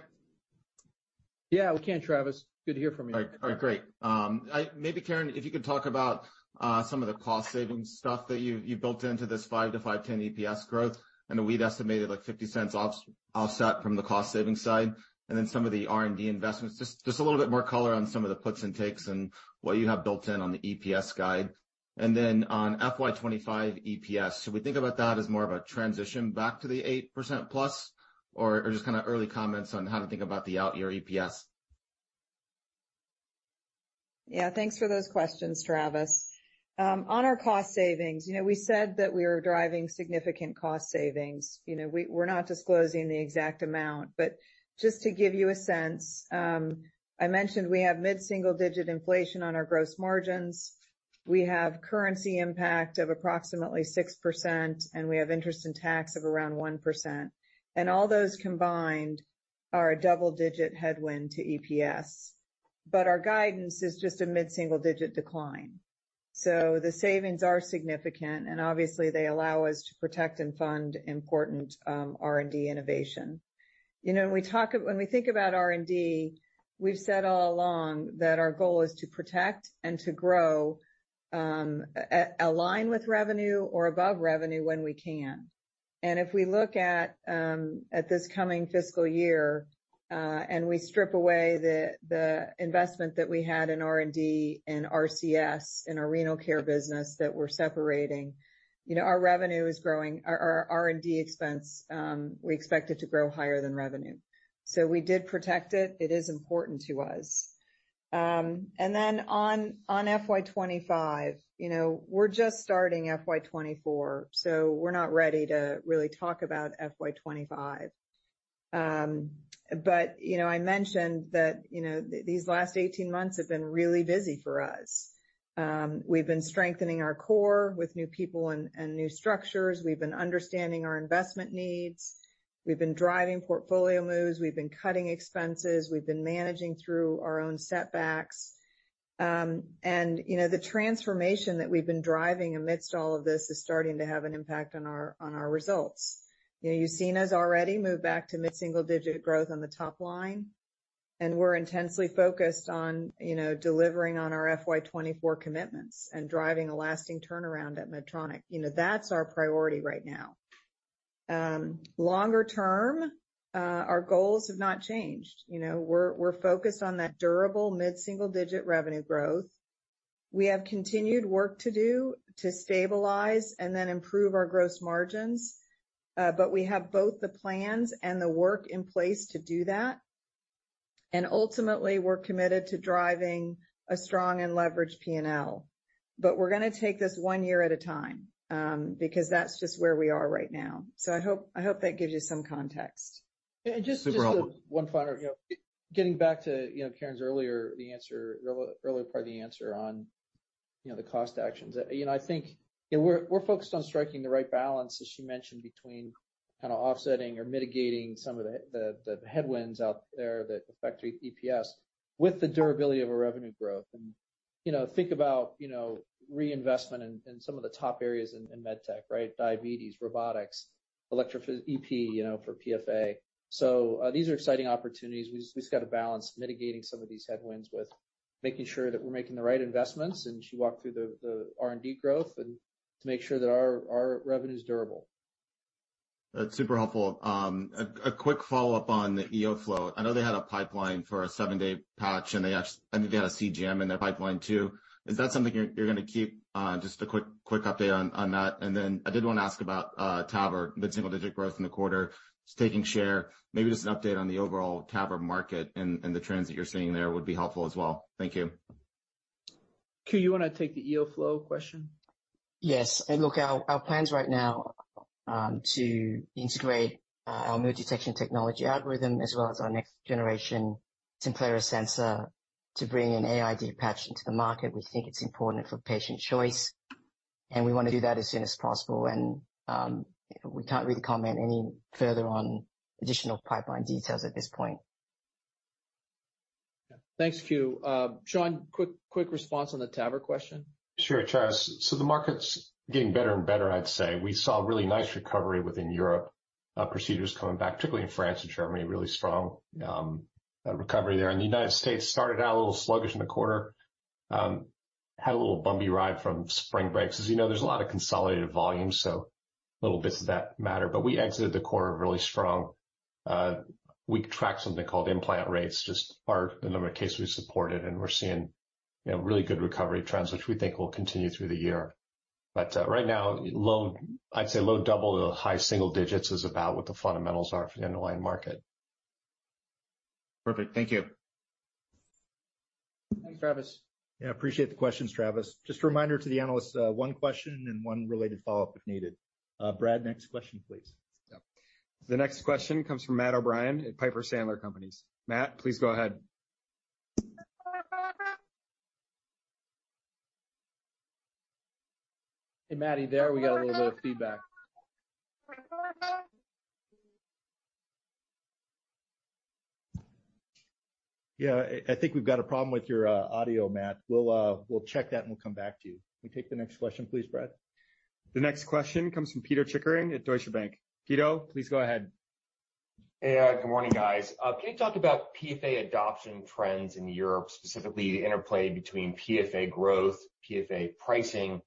Yeah, we can, Travis. Good to hear from you. All right. Great. maybe, Karen, if you could talk about some of the cost savings stuff that you built into this $5.00-$5.10 EPS growth, and we'd estimated, like, $0.50 offset from the cost savings side, and then some of the R&D investments. Just a little bit more color on some of the puts and takes and what you have built in on the EPS guide. On FY 2025 EPS, should we think about that as more of a transition back to the 8%+ or just kind of early comments on how to think about the out year EPS? Thanks for those questions, Travis. On our cost savings, you know, we said that we were driving significant cost savings. You know, we're not disclosing the exact amount, but just to give you a sense, I mentioned we have mid-single digit inflation on our gross margins. We have currency impact of approximately 6%, and we have interest in tax of around 1%. All those combined are a double-digit headwind to EPS. Our guidance is just a mid-single digit decline. The savings are significant, and obviously, they allow us to protect and fund important R&D innovation. You know, when we think about R&D, we've said all along that our goal is to protect and to grow, align with revenue or above revenue when we can. If we look at this coming fiscal year, and we strip away the investment that we had in R&D and RCS, in our renal care business that we're separating, you know, our revenue is growing. Our R&D expense, we expect it to grow higher than revenue. We did protect it. It is important to us. On FY 2025, you know, we're just starting FY 2024, so we're not ready to really talk about FY 2025. You know, I mentioned that, you know, these last 18 months have been really busy for us. We've been strengthening our core with new people and new structures. We've been understanding our investment needs. We've been driving portfolio moves. We've been cutting expenses. We've been managing through our own setbacks. You know, the transformation that we've been driving amidst all of this is starting to have an impact on our, on our results. You know, you've seen us already move back to mid-single digit growth on the top line, and we're intensely focused on, you know, delivering on our FY 2024 commitments and driving a lasting turnaround at Medtronic. You know, that's our priority right now. Longer term, our goals have not changed. You know, we're focused on that durable mid-single digit revenue growth. We have continued work to do to stabilize and then improve our gross margins, but we have both the plans and the work in place to do that. Ultimately, we're committed to driving a strong and leveraged P&L. We're gonna take this one year at a time, because that's just where we are right now. I hope that gives you some context. And just- No problem. One final, you know, getting back to, you know, Karen's earlier part of the answer on, you know, the cost actions. You know, I think, you know, we're focused on striking the right balance, as she mentioned, between kind of offsetting or mitigating some of the headwinds out there that affect EPS with the durability of a revenue growth. You know, think about, you know, reinvestment in some of the top areas in med tech, right? Diabetes, robotics, EP, you know, for PFA. These are exciting opportunities. We've got to balance mitigating some of these headwinds with making sure that we're making the right investments, and she walked through the R&D growth and to make sure that our revenue is durable. That's super helpful. a quick follow-up on the EOFlow. I know they had a pipeline for a 7-day patch, and I think they had a CGM in their pipeline too. Is that something you're gonna keep? just a quick update on that. I did want to ask about TAVR, mid-single digit growth in the quarter, it's taking share. Maybe just an update on the overall TAVR market and the trends that you're seeing there would be helpful as well. Thank you. Que, you want to take the EOFlow question? Yes. Look, our plans to integrate our mood detection technology algorithm as well as our next generation Simplera sensor to bring an AID patch into the market. We think it's important for patient choice, and we want to do that as soon as possible, and we can't really comment any further on additional pipeline details at this point. Thanks, Que. Sean, quick response on the TAVR question. Sure, Travis. The market's getting better and better, I'd say. We saw a really nice recovery within Europe, procedures coming back, particularly in France and Germany, really strong recovery there. In the United States, started out a little sluggish in the quarter, had a little bumpy ride from spring break. As you know, there's a lot of consolidated volume, so little bits of that matter, but we exited the quarter really strong. We track something called implant rates, just are the number of cases we supported, and we're seeing, you know, really good recovery trends, which we think will continue through the year. Right now, low- I'd say low double to high single digits is about what the fundamentals are for the underlying market. Perfect. Thank you. Thanks, Travis. Yeah, I appreciate the questions, Travis. Just a reminder to the analysts, one question and one related follow-up if needed. Brad, next question, please. Yeah. The next question comes from Matt O'Brien at Piper Sandler & Companies. Matt, please go ahead. Hey, Matty, there, we got a little bit of feedback. Yeah, I think we've got a problem with your audio, Matt. We'll check that, and we'll come back to you. Can we take the next question, please, Brad? The next question comes from Pito Chickering at Deutsche Bank. Peter, please go ahead. Hey, good morning, guys. Can you talk about PFA adoption trends in Europe, specifically the interplay between PFA growth, PFA pricing,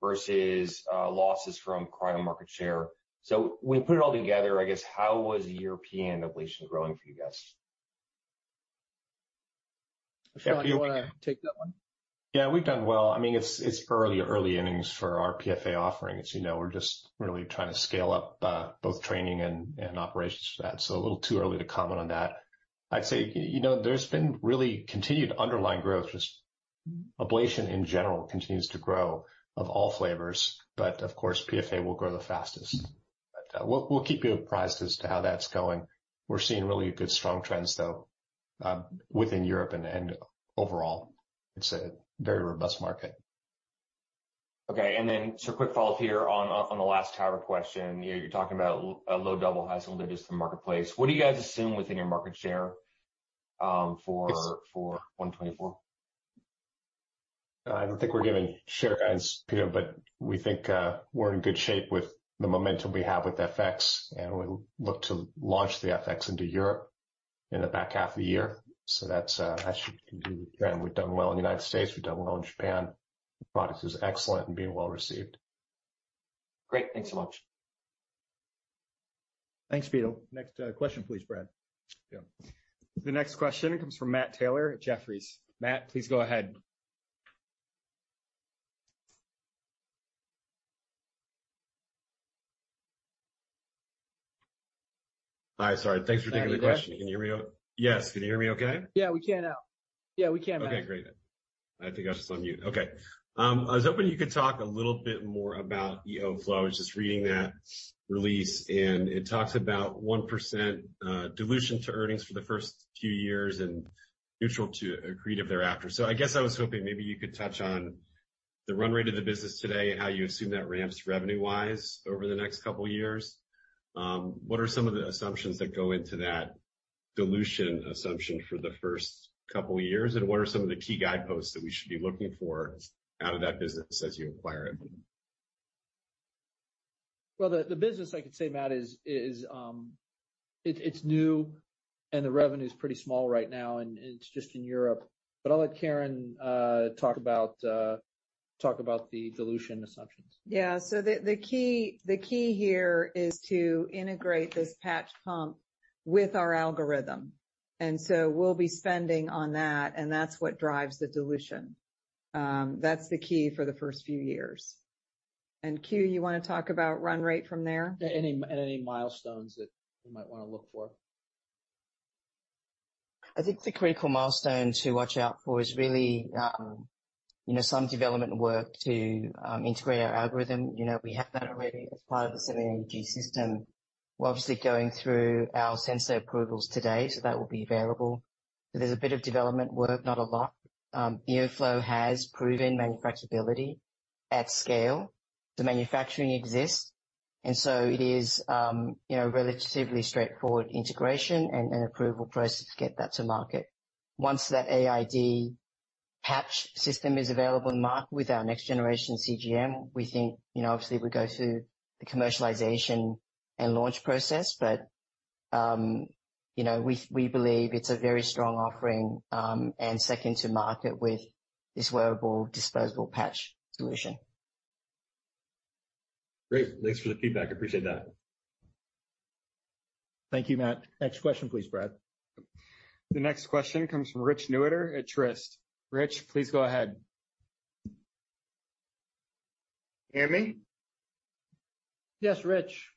versus losses from Cryo market share? When you put it all together, I guess, how was European ablation growing for you guys? Sean, you want to take that one? Yeah, we've done well. I mean, it's early innings for our PFA offerings. You know, we're just really trying to scale up, both training and operations for that. A little too early to comment on that. I'd say, you know, there's been really continued underlying growth. Just ablation, in general, continues to grow of all flavors, but of course, PFA will grow the fastest. We'll keep you apprised as to how that's going. We're seeing really good, strong trends, though, within Europe and overall, it's a very robust market. Okay, quick follow-up here on the last TAVR question. You know, you're talking about a low double, high single digits in the marketplace. What do you guys assume within your market share for 2024? I don't think we're giving share guides, Pito, we think we're in good shape with the momentum we have with FX, we look to launch the FX into Europe in the back half of the year. That's that should do. We've done well in the United States. We've done well in Japan. The product is excellent and being well received. Great. Thanks so much. Thanks, Pito. Next, question, please, Brett. Yeah. The next question comes from Matt Taylor at Jefferies. Matt, please go ahead. Hi, sorry. Thanks for taking the question. Can you hear me okay? Yes. Can you hear me okay? Yeah, we can now. Yeah, we can, Matt. Okay, great. I think I was just on mute. Okay. I was hoping you could talk a little bit more about EOFlow. I was just reading that release, and it talks about 1% dilution to earnings for the first few years and neutral to accretive thereafter. I guess I was hoping maybe you could touch on the run rate of the business today and how you assume that ramps revenue-wise over the next couple of years. What are some of the assumptions that go into that dilution assumption for the first couple of years, and what are some of the key guideposts that we should be looking for out of that business as you acquire it? Well, the business, I could say, Matt, is it's new, and the revenue is pretty small right now, and it's just in Europe. I'll let Karen talk about the dilution assumptions. Yeah. The key here is to integrate this patch pump with our algorithm, and so we'll be spending on that, and that's what drives the dilution. That's the key for the first few years. Que, you want to talk about run rate from there? Any milestones that we might want to look for. I think the critical milestone to watch out for is really, you know, some development work to integrate our algorithm. You know, we have that already as part of the 780G system. We're obviously going through our sensor approvals today, so that will be variable. There's a bit of development work, not a lot. EOFlow has proven manufacturability at scale. The manufacturing exists, and so it is, you know, relatively straightforward integration and an approval process to get that to market. Once that AID patch system is available in the market with our next generation CGM, we think, you know, obviously, we go through the commercialization and launch process, but, you know, we believe it's a very strong offering, and second to market with this wearable disposable patch solution. Great. Thanks for the feedback. I appreciate that. Thank you, Matt. Next question, please, Brad. The next question comes from Richard Newitter at Truist. Rich, please go ahead. Can you hear me? Yes, Rich.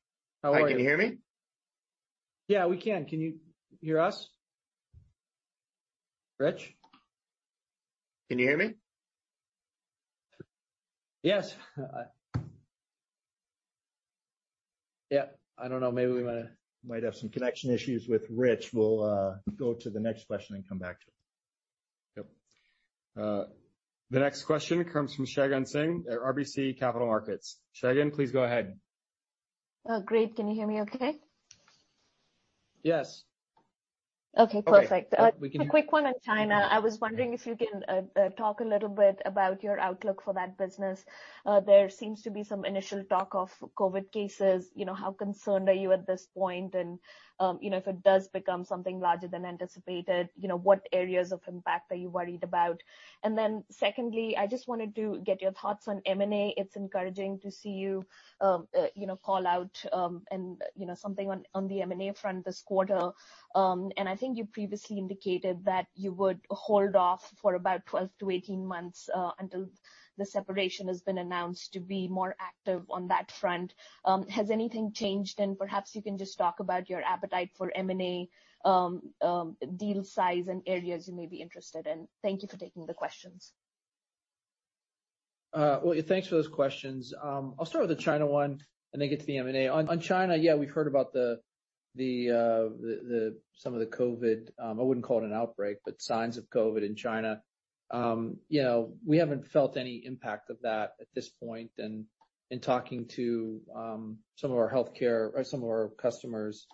How are you? Hi, can you hear me? Yeah, we can. Can you hear us? Rich? Can you hear me? Yes. Yeah, I don't know. Maybe we might have some connection issues with Rich. We'll go to the next question and come back to him. Yep. The next question comes from Shagun Singh at RBC Capital Markets. Shagun, please go ahead. Oh, great. Can you hear me okay? Yes. Okay, perfect. We can hear- A quick one on China. I was wondering if you can talk a little bit about your outlook for that business. There seems to be some initial talk of Covid cases. You know, how concerned are you at this point? You know, if it does become something larger than anticipated, you know, what areas of impact are you worried about? Secondly, I just wanted to get your thoughts on M&A. It's encouraging to see you know, call out, and you know, something on the M&A front this quarter. I think you previously indicated that you would hold off for about 12 to 18 months, until the separation has been announced, to be more active on that front. Has anything changed? Perhaps you can just talk about your appetite for M&A, deal size and areas you may be interested in. Thank you for taking the questions. Well, thanks for those questions. I'll start with the China one and then get to the M&A. On China, yeah, we've heard about the some of the Covid. I wouldn't call it an outbreak, but signs of Covid in China. You know, we haven't felt any impact of that at this point. In talking to some of our healthcare or some of our customers,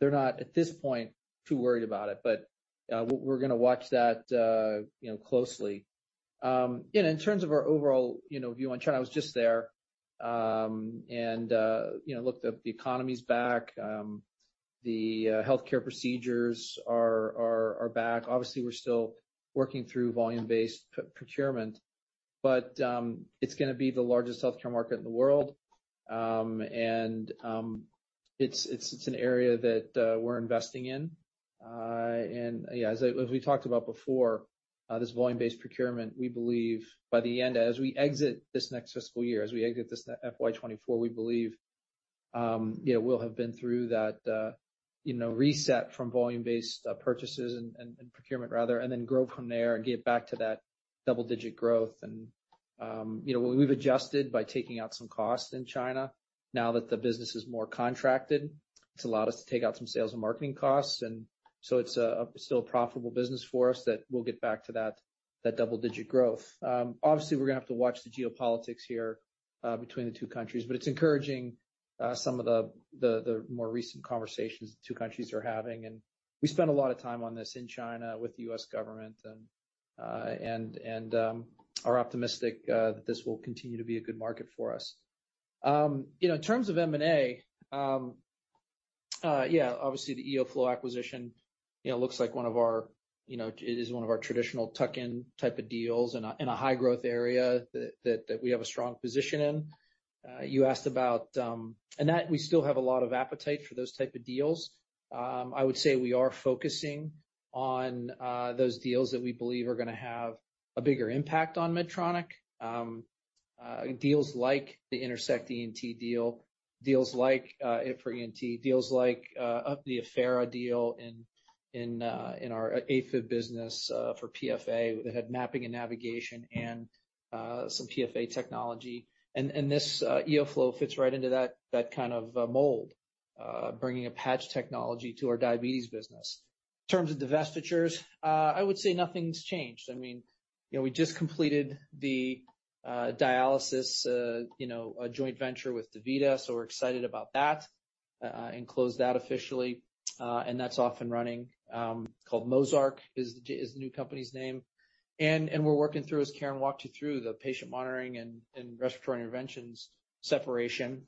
they're not, at this point, too worried about it. We're going to watch that, you know, closely. Yeah, in terms of our overall, you know, view on China, I was just there, and, you know, looked up the economy's back. The healthcare procedures are back. Obviously, we're still working through volume-based procurement, but it's going to be the largest healthcare market in the world. It's an area that we're investing in. As we talked about before, this volume-based procurement, we believe by the end, as we exit this next fiscal year, as we exit this FY 2024, we believe, we'll have been through that, you know, reset from volume-based purchases and procurement rather, and then grow from there and get back to that double-digit growth. You know, we've adjusted by taking out some costs in China now that the business is more contracted. It's allowed us to take out some sales and marketing costs, and so it's still a profitable business for us that we'll get back to that double-digit growth. Obviously, we're going to have to watch the geopolitics here between the two countries, but it's encouraging some of the more recent conversations the two countries are having. We spend a lot of time on this in China with the U.S. government and are optimistic that this will continue to be a good market for us. You know, in terms of M&A, obviously the EOFlow acquisition, you know, looks like one of our, you know, it is one of our traditional tuck-in type of deals in a high growth area that we have a strong position in. You asked about. That we still have a lot of appetite for those type of deals. We are focusing on those deals that we believe are going to have a bigger impact on Medtronic. Deals like the Intersect ENT deal, deals like the Affera deal in our AFib business for PFA, that had mapping and navigation and some PFA technology. This EOFlow fits right into that kind of mold, bringing a patch technology to our diabetes business. In terms of divestitures, I would say nothing's changed. I mean, you know, we just completed the dialysis, you know, a joint venture with DaVita, so we're excited about that and closed that officially. That's off and running, called Mozarc, is the new company's name. We're working through, as Karen walked you through, the patient monitoring and respiratory interventions separation,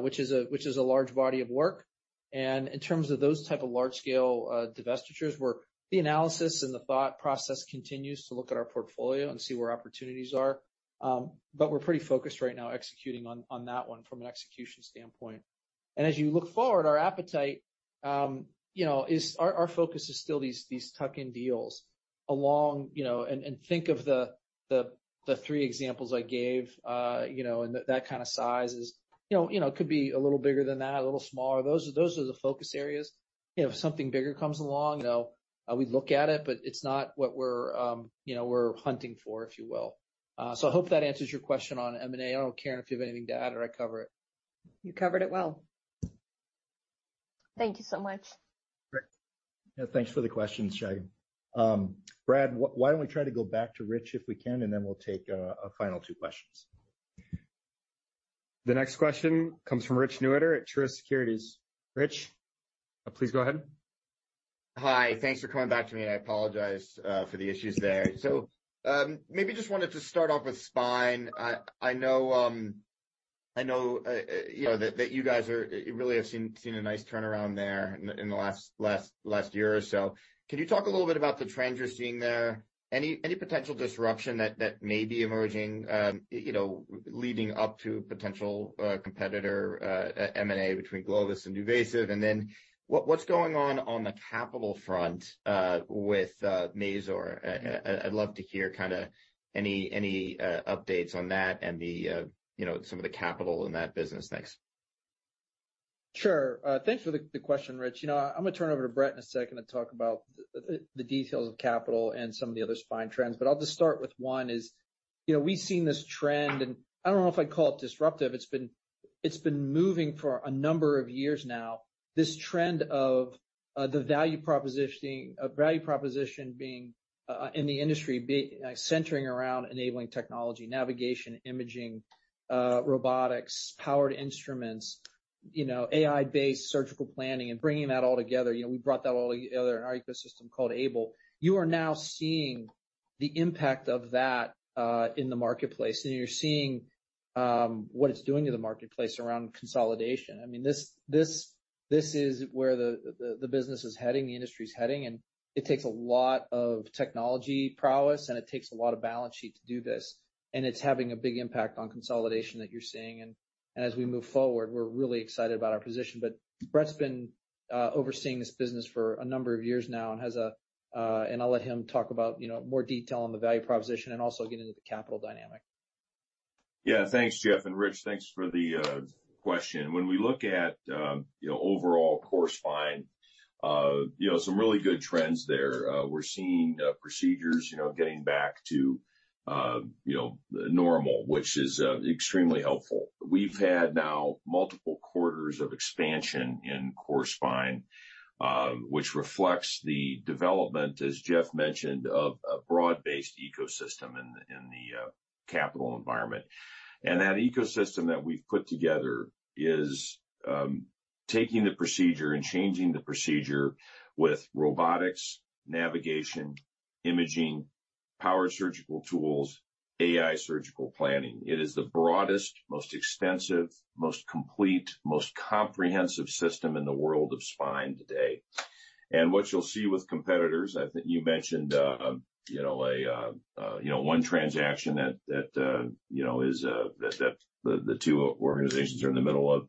which is a large body of work. In terms of those type of large-scale divestitures, where the analysis and the thought process continues to look at our portfolio and see where opportunities are. We're pretty focused right now executing on that one from an execution standpoint. As you look forward, our appetite, you know, is. Our focus is still these tuck-in deals along, you know, and think of the three examples I gave, you know, and that kind of size is, you know, could be a little bigger than that, a little smaller. Those are the focus areas. You know, if something bigger comes along, you know, we'd look at it, but it's not what we're, you know, we're hunting for, if you will. I hope that answers your question on M&A. I don't know, Karen, if you have anything to add, or I cover it? You covered it well. Thank you so much. Great. Yeah, thanks for the question, Shagun. Brett, why don't we try to go back to Rich, if we can, we'll take a final two questions. The next question comes from Richard Newitter at Truist Securities. Rich, please go ahead. Hi. Thanks for coming back to me, and I apologize for the issues there. Maybe just wanted to start off with spine. I know you know that you guys are, really have seen a nice turnaround there in the last year or so. Can you talk a little bit about the trends you're seeing there? Any potential disruption that may be emerging, you know, leading up to potential competitor M&A between Globus and NuVasive? What's going on on the capital front with Mazor? I'd love to hear kind of any updates on that and you know, some of the capital in that business. Thanks. Sure. Thanks for the question, Rich. You know, I'm gonna turn over to Brett in a second to talk about the details of capital and some of the other spine trends. I'll just start with one, is, you know, we've seen this trend, and I don't know if I'd call it disruptive. It's been moving for a number of years now. This trend of the value propositioning, value proposition being in the industry, centering around enabling technology, navigation, imaging, robotics, powered instruments, you know, AI-based surgical planning, and bringing that all together. You know, we brought that all together in our ecosystem called AiBLE. You are now seeing the impact of that in the marketplace, and you're seeing what it's doing to the marketplace around consolidation. I mean, this is where the business is heading, the industry is heading, and it takes a lot of technology prowess, and it takes a lot of balance sheet to do this, and it's having a big impact on consolidation that you're seeing. As we move forward, we're really excited about our position. Brett's been overseeing this business for a number of years now and has a... I'll let him talk about, you know, more detail on the value proposition and also get into the capital dynamic. Yeah. Thanks, Geoff, and Rich, thanks for the question. When we look at, you know, overall core spine, you know, some really good trends there. We're seeing procedures, you know, getting back to, you know, normal, which is extremely helpful. We've had now multiple quarters of expansion in core spine, which reflects the development, as Geoff mentioned, of a broad-based ecosystem in the capital environment. That ecosystem that we've put together is taking the procedure and changing the procedure with robotics, navigation, imaging, power surgical tools, AI surgical planning. It is the broadest, most extensive, most complete, most comprehensive system in the world of spine today. What you'll see with competitors, I think you mentioned, you know, a, you know, one transaction that, you know, is, that the two organizations are in the middle of,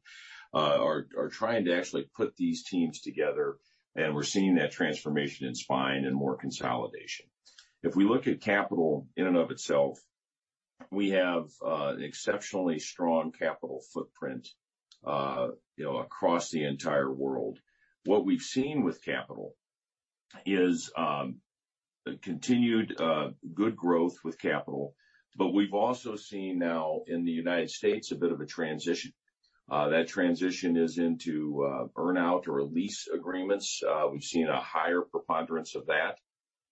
are trying to actually put these teams together, and we're seeing that transformation in spine and more consolidation. We look at capital in and of itself, we have an exceptionally strong capital footprint, you know, across the entire world. What we've seen with capital is, a continued, good growth with capital, but we've also seen now in the United States, a bit of a transition. That transition is into, earn-out or lease agreements. We've seen a higher preponderance of that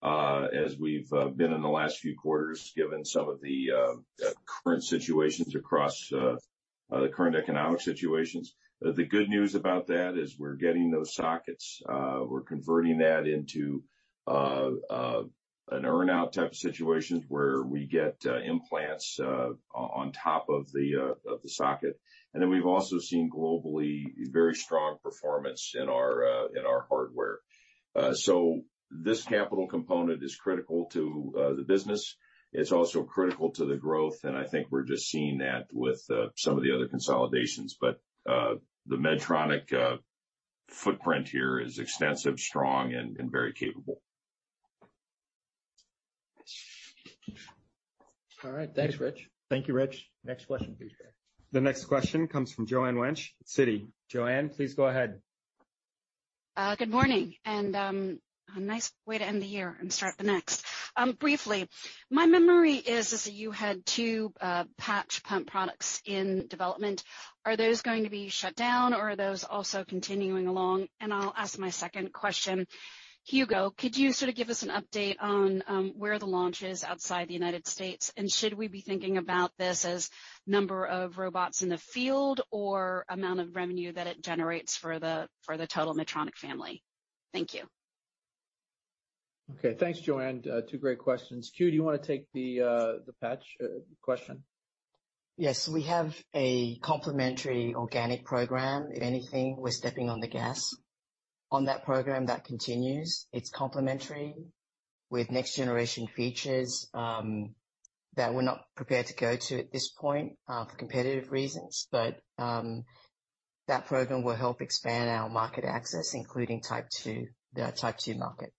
as we've been in the last few quarters, given some of the current situations across the current economic situations. The good news about that is we're getting those sockets. We're converting that into an earn-out type of situation where we get implants on top of the of the socket. We've also seen globally, very strong performance in our in our hardware. This capital component is critical to the business. It's also critical to the growth, and I think we're just seeing that with some of the other consolidations. The Medtronic footprint here is extensive, strong, and very capable. All right. Thanks, Rich. Thank you, Rich. Next question, please. The next question comes from Joanne Wuensch, Citi. Joanne, please go ahead. Good morning, a nice way to end the year and start the next. Briefly, my memory is that you had two patch pump products in development. Are those going to be shut down, or are those also continuing along? I'll ask my second question. Hugo, could you sort of give us an update on where are the launches outside the United States, and should we be thinking about this as number of robots in the field or amount of revenue that it generates for the total Medtronic family? Thank you. Okay. Thanks, Joanne. Two great questions. Que, do you want to take the patch question? Yes, we have a complementary organic program. If anything, we're stepping on the gas. On that program, that continues. It's complementary with next generation features, that we're not prepared to go to at this point, for competitive reasons. That program will help expand our market access, including Type 2, the Type 2 market.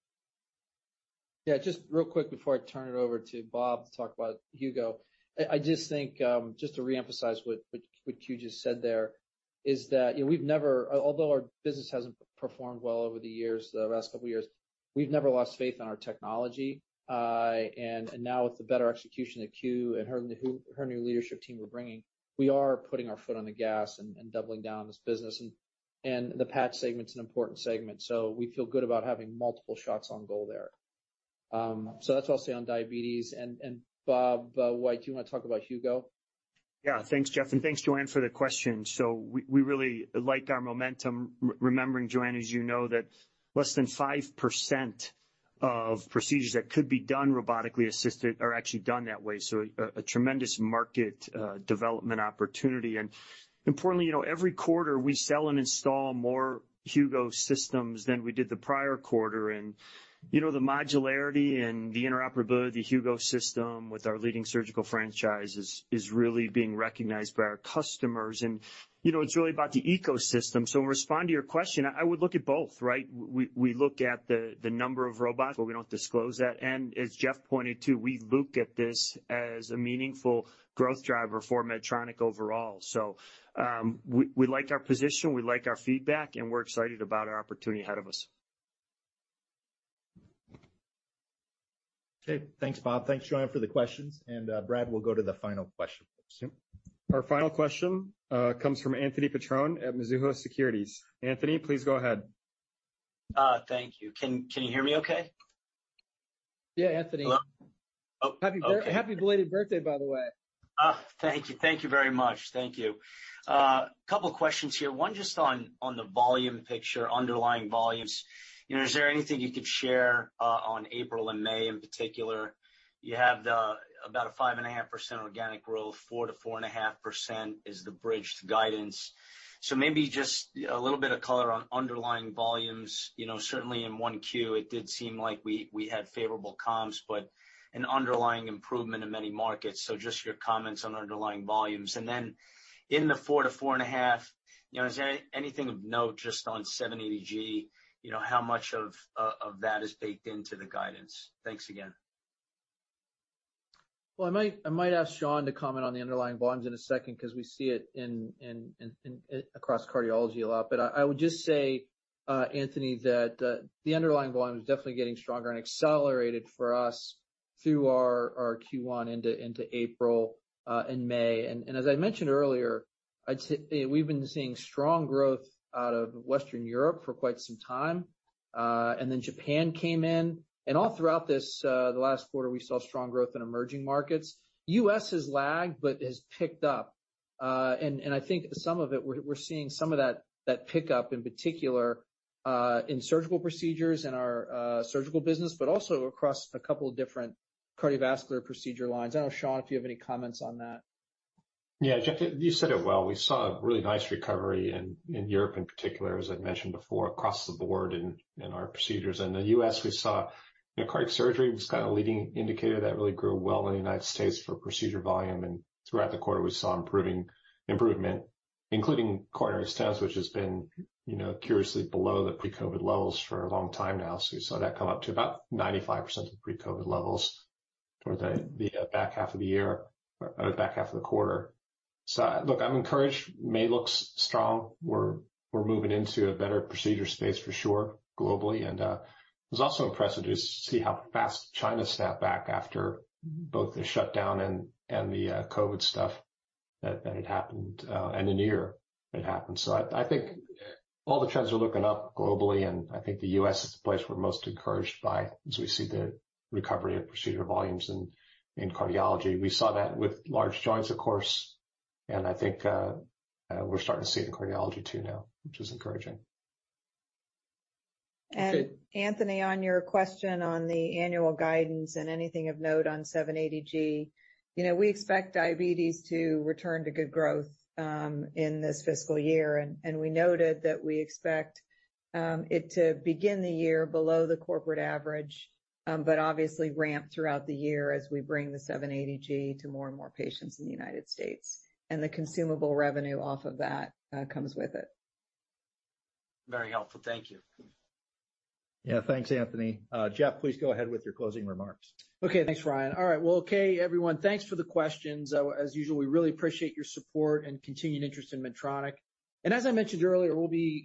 Yeah, just real quick before I turn it over to Bob to talk about Hugo. I just think, just to reemphasize what Que just said there, is that, you know, we've never... Although our business hasn't performed well over the years, the last couple of years, we've never lost faith in our technology. Now with the better execution that Que and her new leadership team were bringing, we are putting our foot on the gas and doubling down on this business. The patch segment is an important segment, so we feel good about having multiple shots on goal there. So that's all I'll say on diabetes. Bob White, do you want to talk about Hugo? Yeah. Thanks, Geoff, and thanks, Joanne, for the question. We really like our momentum. Remembering, Joanne, as you know, that less than 5% of procedures that could be done robotically assisted are actually done that way, so a tremendous market development opportunity. Importantly, you know, every quarter, we sell and install more Hugo systems than we did the prior quarter. You know, the modularity and the interoperability of the Hugo system with our leading surgical franchise is really being recognized by our customers. You know, it's really about the ecosystem. In respond to your question, I would look at both, right? We look at the number of robots, but we don't disclose that, and as Geoff pointed to, we look at this as a meaningful growth driver for Medtronic overall. We like our position, we like our feedback, and we're excited about our opportunity ahead of us. Okay, thanks, Bob. Thanks, Joanne, for the questions, and Brad, we'll go to the final question. Our final question, comes from Anthony Petrone at Mizuho Securities. Anthony, please go ahead. Thank you. Can you hear me okay? Yeah, Anthony. Hello? Oh, okay. Happy belated birthday, by the way! Thank you. Thank you very much. Thank you. Couple questions here. One, just on the volume picture, underlying volumes. You know, is there anything you could share on April and May in particular? You have the, about a 5.5% organic growth, 4%-4.5% is the bridged guidance. Maybe just a little bit of color on underlying volumes. You know, certainly in 1Q, it did seem like we had favorable comps, but an underlying improvement in many markets. Just your comments on underlying volumes. Then in the 4%-4.5%, you know, is there anything of note just on 780G? You know, how much of that is baked into the guidance? Thanks again. Well, I might ask Sean to comment on the underlying volumes in a second because we see it in across cardiology a lot. I would just say, Anthony, that the underlying volume is definitely getting stronger and accelerated for us through our Q1 into April and May. As I mentioned earlier, we've been seeing strong growth out of Western Europe for quite some time, and then Japan came in, and all throughout this last quarter, we saw strong growth in emerging markets. U.S. has lagged but has picked up. And I think some of it, we're seeing some of that pickup in particular in surgical procedures, in our surgical business, but also across a couple of different cardiovascular procedure lines. I don't know, Sean, if you have any comments on that. Yeah, Geoff, you said it well. We saw a really nice recovery in Europe in particular, as I've mentioned before, across the board in our procedures. In the U.S., we saw, you know, cardiac surgery was kind of a leading indicator that really grew well in the United States for procedure volume, and throughout the quarter, we saw improving improvement, including coronary stents, which has been, you know, curiously below the pre-COVID levels for a long time now. We saw that come up to about 95% of the pre-COVID levels for the back half of the year, or back half of the quarter. Look, I'm encouraged. May looks strong. We're moving into a better procedure space for sure, globally. I was also impressed to just see how fast China snapped back after both the shutdown and the COVID stuff that had happened and the new year it happened. I think all the trends are looking up globally, and I think the U.S. is the place we're most encouraged by as we see the recovery of procedure volumes in cardiology. We saw that with large joints, of course, and I think we're starting to see it in cardiology too now, which is encouraging. Okay. Anthony, on your question on the annual guidance and anything of note on 780G, you know, we expect diabetes to return to good growth in this fiscal year, and we noted that we expect it to begin the year below the corporate average, but obviously ramp throughout the year as we bring the 780G to more and more patients in the United States, and the consumable revenue off of that comes with it. Very helpful. Thank you. Thanks, Anthony. Geoff, please go ahead with your closing remarks. Thanks, Ryan. Well, everyone, thanks for the questions. As usual, we really appreciate your support and continued interest in Medtronic. As I mentioned earlier, we'll be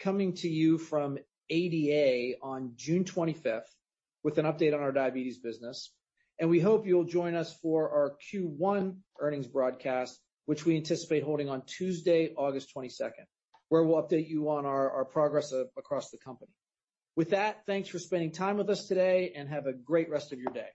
coming to you from ADA on June 25th with an update on our diabetes business, and we hope you'll join us for our Q1 earnings broadcast, which we anticipate holding on Tuesday, August 22nd, where we'll update you on our progress across the company. With that, thanks for spending time with us today, and have a great rest of your day.